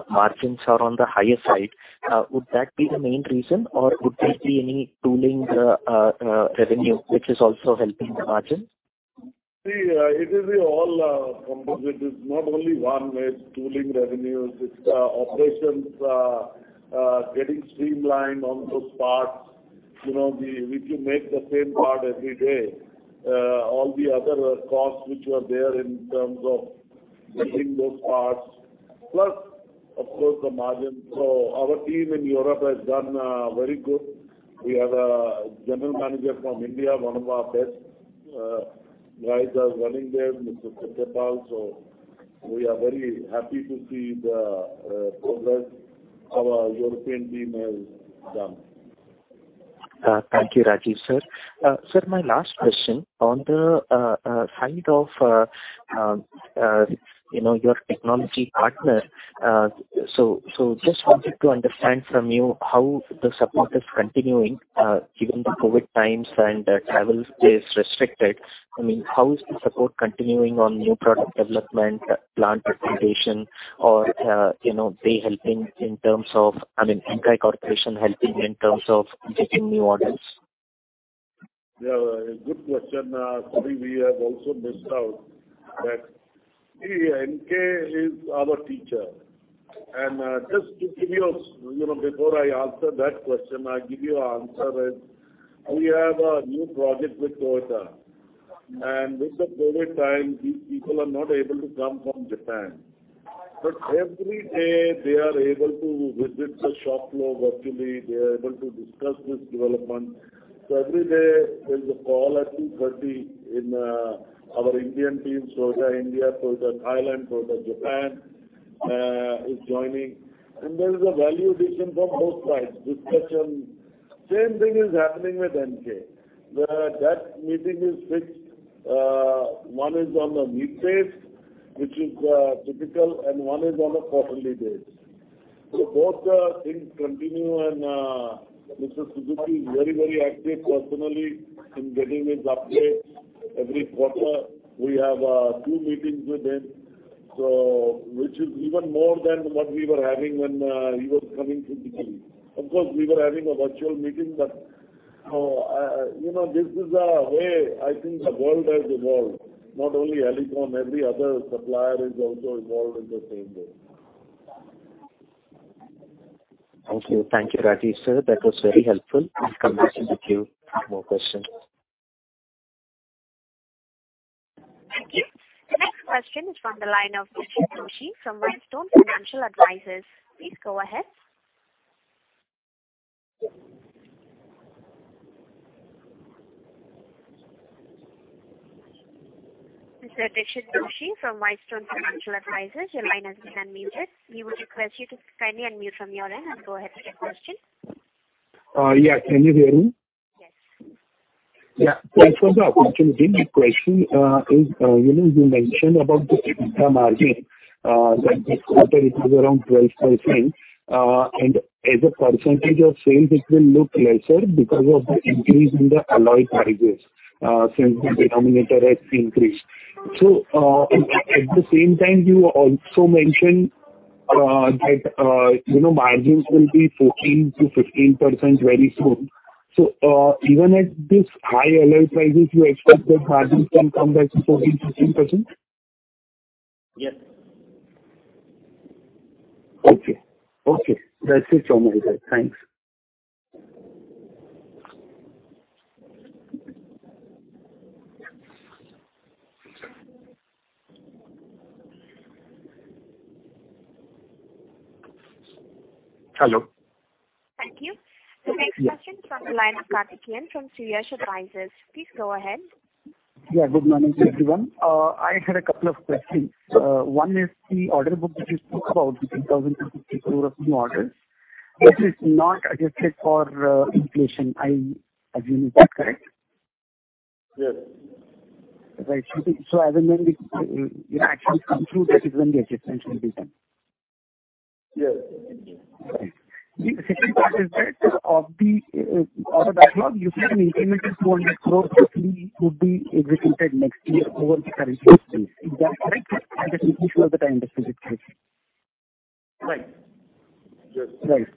margins are on the higher side. Would that be the main reason, or would there be any tooling revenue which is also helping the margin? See, it is all composite. It's not only one way. It's tooling revenues, it's operations getting streamlined on those parts. You know, if you make the same part every day, all the other costs which were there in terms of making those parts, plus of course the margin. Our team in Europe has done very good. We have a general manager from India, one of our best guys are running there, Mr. Kirtipal. We are very happy to see the progress our European team has done. Thank you, Rajeev, sir. Sir, my last question. On the side of, you know, your technology partner, so just wanted to understand from you how the support is continuing, given the COVID times and travel is restricted. I mean, how is the support continuing on new product development, plant representation or, you know, they helping in terms of getting new orders. I mean, Enkei Corporation helping in terms of getting new orders? Yeah. A good question. Sorry we have also missed out that. See, NK is our teacher. Just to give you. You know, before I answer that question, I'll give you an answer is, we have a new project with Toyota. With the COVID time, these people are not able to come from Japan. Every day, they are able to visit the shop floor virtually. They are able to discuss this development. Every day there's a call at 2:30 P.M. in our Indian team, Toyota India, Toyota Thailand, Toyota Japan is joining. There is a value addition from both sides. Discussion. Same thing is happening with NK. That meeting is fixed. One is on weekdays, which is typical, and one is on a quarterly basis. Both things continue. Mr. Suzuki is very, very active personally in getting his updates every quarter. We have two meetings with him, so which is even more than what we were having when he was coming physically. Of course, we were having a virtual meeting. You know, this is a way I think the world has evolved. Not only Alicon, every other supplier is also involved in the same way. Thank you. Thank you, Rajeev, sir. That was very helpful. I'll come back to the queue for more questions. Thank you. The next question is from the line of Mr. Tushi from WhiteStone Financial Services. Please go ahead. Mr. Tushi from WhiteStone Wealth Management, your line has been unmuted. We would request you to kindly unmute from your end and go ahead with your question. Yeah. Can you hear me? Yes. Yeah. Thanks for the opportunity. My question, you know, you mentioned about the EBITDA margin that this quarter it was around 12%, and as a percentage of sales it will look lesser because of the increase in the alloy prices since the denominator has increased. At the same time, you also mentioned- that, you know, margins will be 14%-15% very soon. Even at this high alloy prices, you expect that margins can come back to 14%-15%? Yes. Okay. That's it from my side. Thanks. Hello. Thank you. The next question from the line of Karthik Keyan from Surya Advisors. Please go ahead. Yeah, good morning to everyone. I had a couple of questions. One is the order book that you spoke about, the 3,050 of new orders. Yes. Which is not adjusted for, inflation, I assume. Is that correct? Yes. Right. As and when the, you know, actions come through, that is when the adjustment will be done. Yes. Okay. The second part is that of the order backlog. You said an incremental 200 roughly would be executed next year over the current year's base. Is that correct? I just making sure that I understood it correctly. Right. Yes. Right.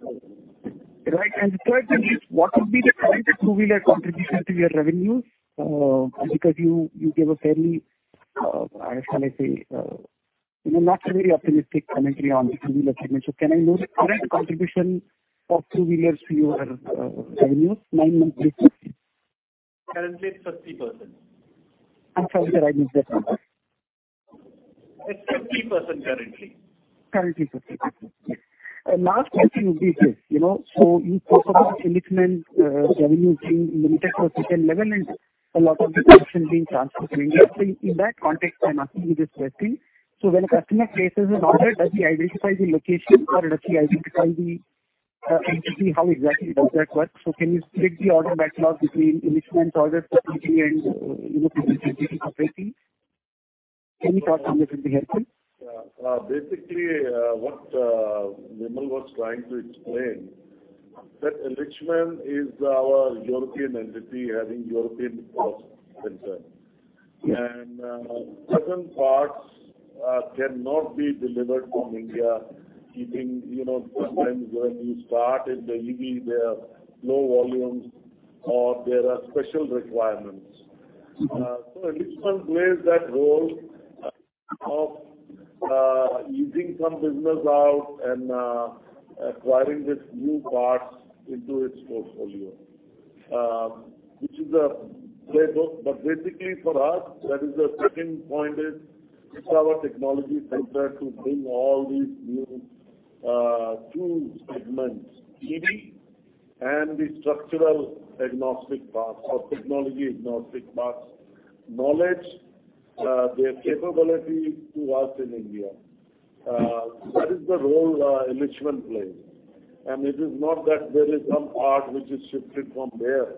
The third thing is, what would be the current 2-wheeler contribution to your revenues? Because you gave a fairly, how shall I say, you know, not very optimistic commentary on the 2-wheeler segment. Can I know the current contribution of 2-wheelers to your revenues nine months previously? Currently it's 30%. I'm sorry, can I miss that number? It's 50% currently. Currently 50%. Yes. Last year it would be less, you know. In case of the Illichmann revenues being limited to a certain level and a lot of the production being transferred from India. In that context, I'm asking you this question. When a customer places an order, does he identify the location or does he identify the entity? How exactly does that work? Can you split the order backlog between Illichmann orders specifically and, you know, any thoughts on this would be helpful. Basically, what Vimal was trying to explain that Illichmann is our European entity having European cost center. Yes. Certain parts cannot be delivered from India, keeping, you know, sometimes when you start in the EV, there are low volumes or there are special requirements. Mm-hmm. Illichmann plays that role of acquiring these new parts into its portfolio, which is a playbook. Basically for us, that is the second point. It's our technology center to bring all these new two segments, EV and the structural agnostic parts or technology agnostic parts knowledge, their capability to us in India. That is the role Illichmann plays. It is not that there is some part which is shifted from there.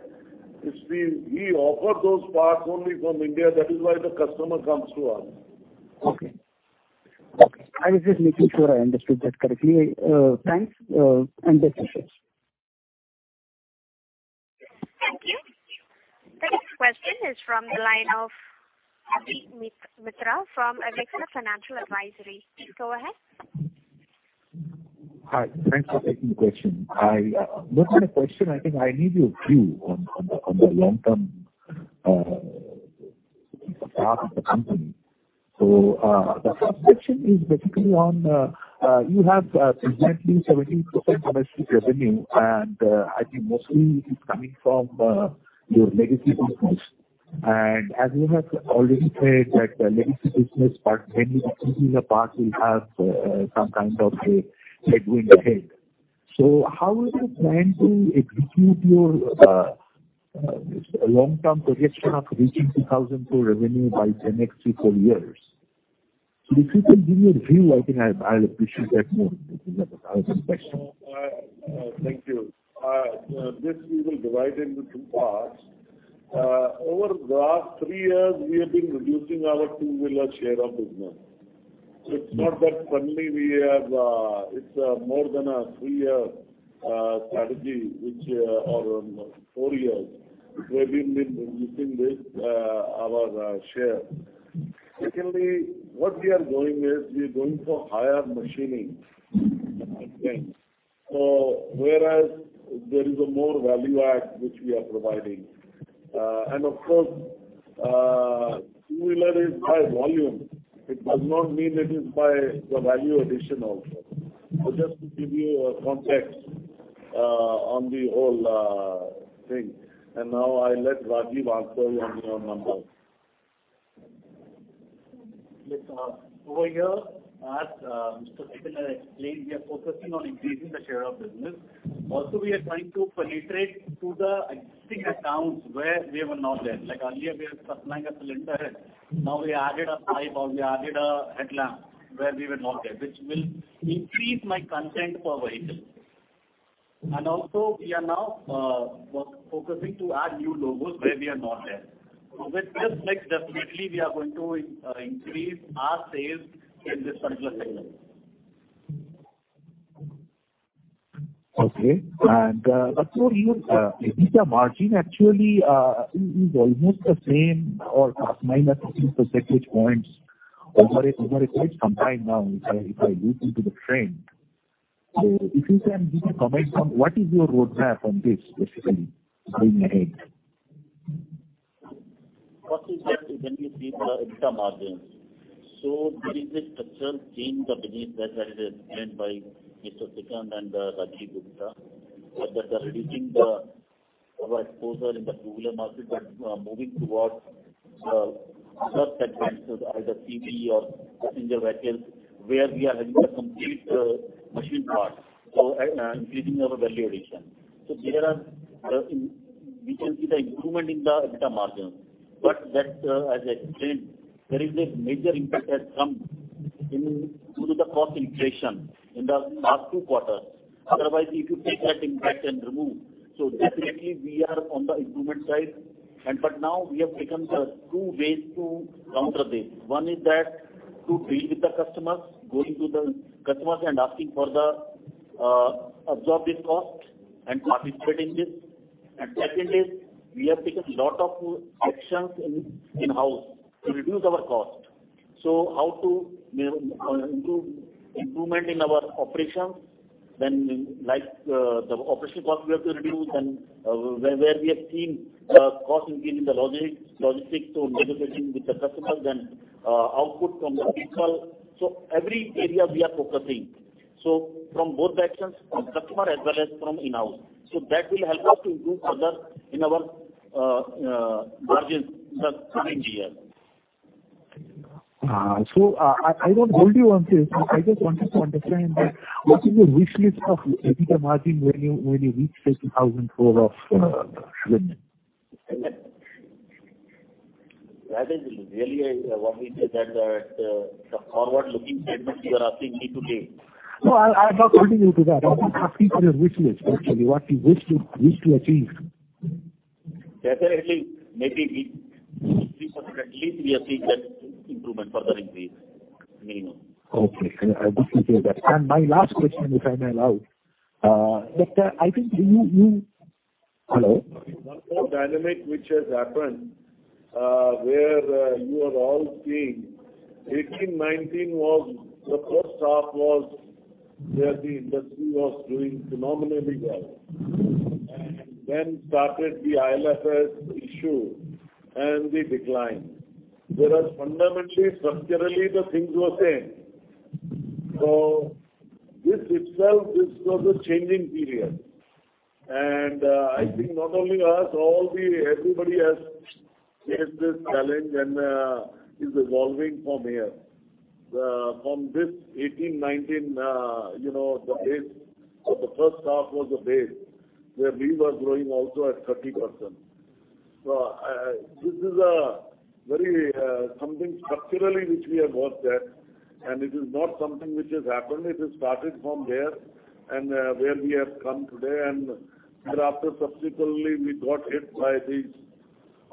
We offer those parts only from India. That is why the customer comes to us. Okay. I was just making sure I understood that correctly. Thanks. Best wishes. Thank you. The next question is from the line of Abhi Mitra from Care Financial Advisory. Please go ahead. Hi. Thanks for taking the question. It's more than a question. I think I need your view on the long-term path of the company. The first section is basically on you have presently 70% of your revenue, and I think mostly it's coming from your legacy business. As you have already said that the legacy business part, mainly the 2-wheeler part will have some kind of a headwind ahead. How will you plan to execute your long-term projection of reaching 2,000 revenue by the next three or four years? If you can give me a view, I think I'll appreciate that more because that was my question. Thank you. This we will divide into two parts. Over the last three years, we have been reducing our 2-wheeler share of business. Mm-hmm. It's not that suddenly we have. It's more than a 3-year strategy or 4 years we've been reducing our share. Secondly, what we are doing is we are going for higher machining content. Whereas there is a more value add which we are providing. Of course, 2-wheeler is high volume. It does not mean it is by the value addition also. Just to give you a context on the whole thing. Now I let Rajiv answer you on the other number. Yes. Over here, as Mr. Sikand explained, we are focusing on increasing the share of business. Also, we are trying to penetrate to the existing accounts where we were not there. Like earlier we were supplying a cylinder head. Now we added a pipe or we added a headlamp where we were not there, which will increase my content per vehicle. Also we are now focusing to add new logos where we are not there. With this mix definitely we are going to increase our sales in this particular segment. Okay. Actually, your EBITDA margin actually is almost the same or plus minus 10 percentage points over a quite some time now if I look into the trend. If you can give a comment on what is your roadmap on this specifically going ahead? What we get when we see the EBITDA margins. Business structure change the business that has explained by Mr. Sikand and Rajiv Gupta, that they are reducing our exposure in the 2-wheeler market and moving towards other segments, so either CV or passenger vehicles, where we are having a complete machined part, so and increasing our value addition. There we can see the improvement in the EBITDA margins. That, as I explained, there is a major impact has come in due to the cost inflation in the past two quarters. Otherwise, if you take that impact and remove, definitely we are on the improvement side. Now we have taken two ways to counter this. One is that to deal with the customers, going to the customers and asking for the absorptive cost and participate in this. Second is we have taken lot of actions in-house to reduce our cost. How to, you know, improve, improvement in our operations when like the operational cost we have to reduce and where we have seen cost increase in the logistics or negotiating with the customers and output from the people. Every area we are focusing, so from both the actions from customer as well as from in-house. That will help us to improve further in our margins the coming year. I won't hold you on this. I just wanted to understand that what is your wish list of EBITDA margin when you reach say 2,004 of revenue? That is really what we say that some forward-looking statements you are asking me to make. No, I'm not holding you to that. I'm just asking for your wish list actually. What you wish to achieve? Definitely, maybe 3% at least we are seeing that improvement for the next year minimum. Okay. I'll just keep it at that. My last question, if I may allow. I think you. Hello? One more dynamic which has happened, where you have all seen. 2018, 2019 was the first half where the industry was doing phenomenally well. Then started the IL&FS issue and the decline. Whereas fundamentally, structurally, the things were same. This itself, this was a changing period. I think not only us, all the everybody has faced this challenge and is evolving from here. From this 2018, 2019, you know, the base of the first half was the base where we were growing also at 30%. I. This is a very something structurally which we have watched that, and it is not something which has happened. It has started from there and where we have come today. Thereafter, subsequently, we got hit by these.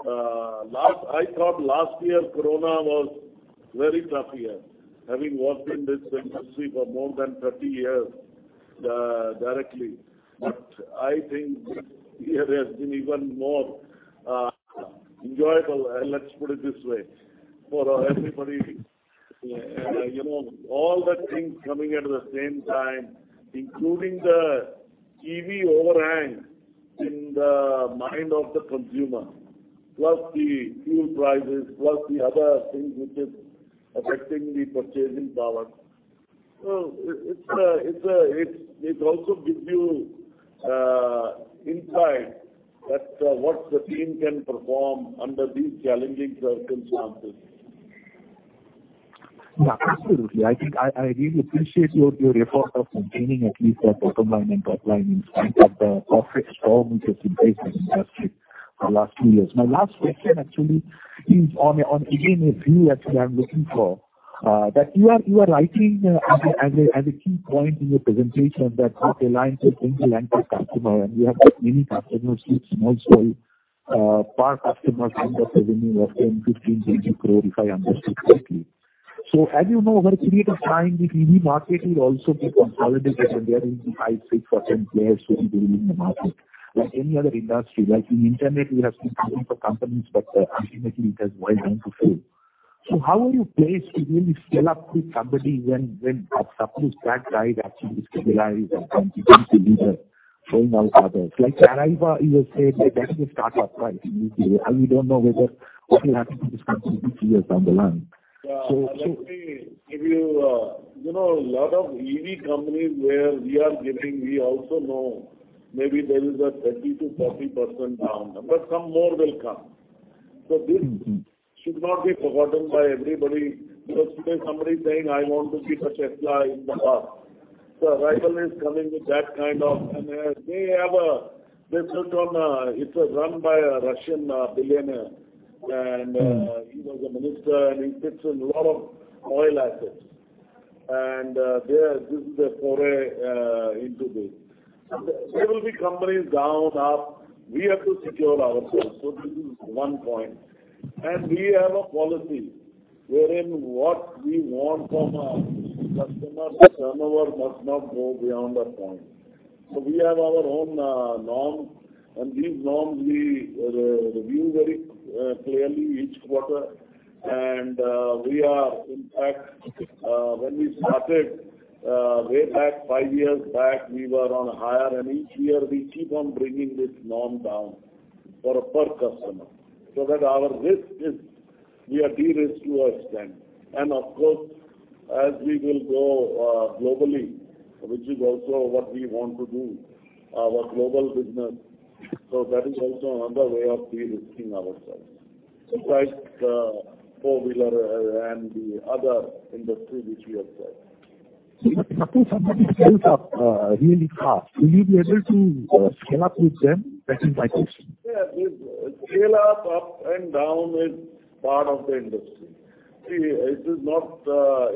I thought last year corona was a very tough year, having worked in this industry for more than 30 years directly. I think this year has been even more enjoyable, let's put it this way, for everybody. You know, all the things coming at the same time, including the EV overhang in the mind of the consumer, plus the fuel prices, plus the other things which is affecting the purchasing power. It also gives you insight that what the team can perform under these challenging circumstances. Yeah, absolutely. I think I really appreciate your effort of maintaining at least that bottom line and top line in spite of the perfect storm which has been faced by the industry the last few years. My last question actually is on again a view actually I'm looking for. You are rightly as a key point in your presentation that you've aligned with end-to-end customer and you have that many customers with small scale per customer kind of revenue of 10, 15, 20 if I understood correctly. As you know, over a period of time, the TV market will also be consolidated and there will be five, six or 10 players who will be in the market like any other industry. Like in internet, we have seen so many companies, but ultimately it has boiled down to few. How are you placed to really scale up with somebody when absolutely that guy actually destabilize and become the leader throwing out others? Like Arrival you were saying that is a startup, right? We don't know whether what will happen to this company few years down the line. So Yeah. Let me give you know, a lot of EV companies where we are giving. We also know maybe there is a 30%-40% down, but some more will come. This should not be forgotten by everybody because today somebody is saying I want to be the Sheffield in the hub. Arrival is coming with that kind of. It's run by a Russian billionaire and he was a minister and he sits on a lot of oil assets. This is a foray into this. There will be companies down, up. We have to secure ourselves. This is one point. We have a policy wherein what we want from a customer's turnover must not go beyond a point. We have our own norm, and these norms we review very clearly each quarter. We are in fact, when we started way back five years back, we were on a higher, and each year we keep on bringing this norm down per customer so that our risk is we are de-risked to an extent. Of course, as we will grow globally, which is also what we want to do, our global business, so that is also another way of de-risking ourselves. Besides the 4-wheeler and the other industry which we have said. Some of these builds up really fast. Will you be able to scale up with them as and when possible? Yeah. Scale up and down is part of the industry. It is not,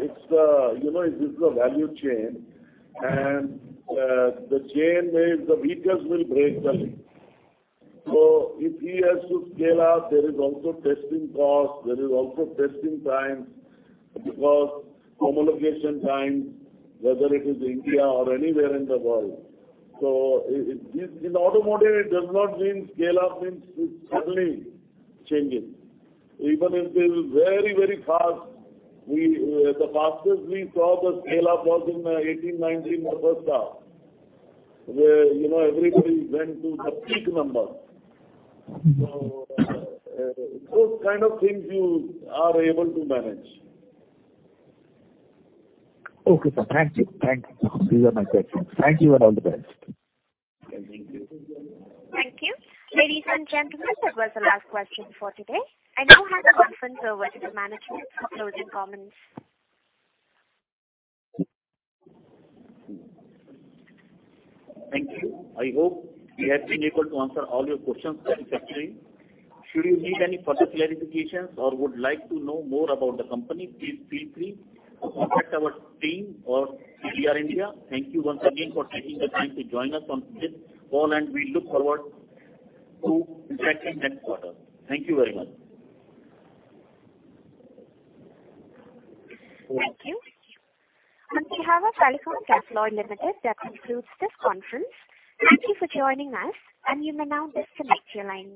it's, you know, it is a value chain and, the chain is the weakest will break the link. If he has to scale up, there is also testing costs, there is also testing times because homologation times, whether it is India or anywhere in the world. In automotive, it does not mean scale up means it's suddenly changing. Even if it is very fast, the fastest we saw the scale up was in 2018, 2019, the first half, where, you know, everybody went to the peak numbers. Mm-hmm. Those kind of things you are able to manage. Okay, sir. Thank you. Thank you. These are my questions. Thank you and all the best. Thank you. Thank you. Ladies and gentlemen, that was the last question for today. I now hand the conference over to the management for closing comments. Thank you. I hope we have been able to answer all your questions satisfactorily. Should you need any further clarifications or would like to know more about the company, please feel free to contact our team or CDR India. Thank you once again for taking the time to join us on this call and we look forward to interacting next quarter. Thank you very much. Thank you. On behalf of, Alicon Castalloy Limited that concludes this conference. Thank you for joining us and you may now disconnect your lines.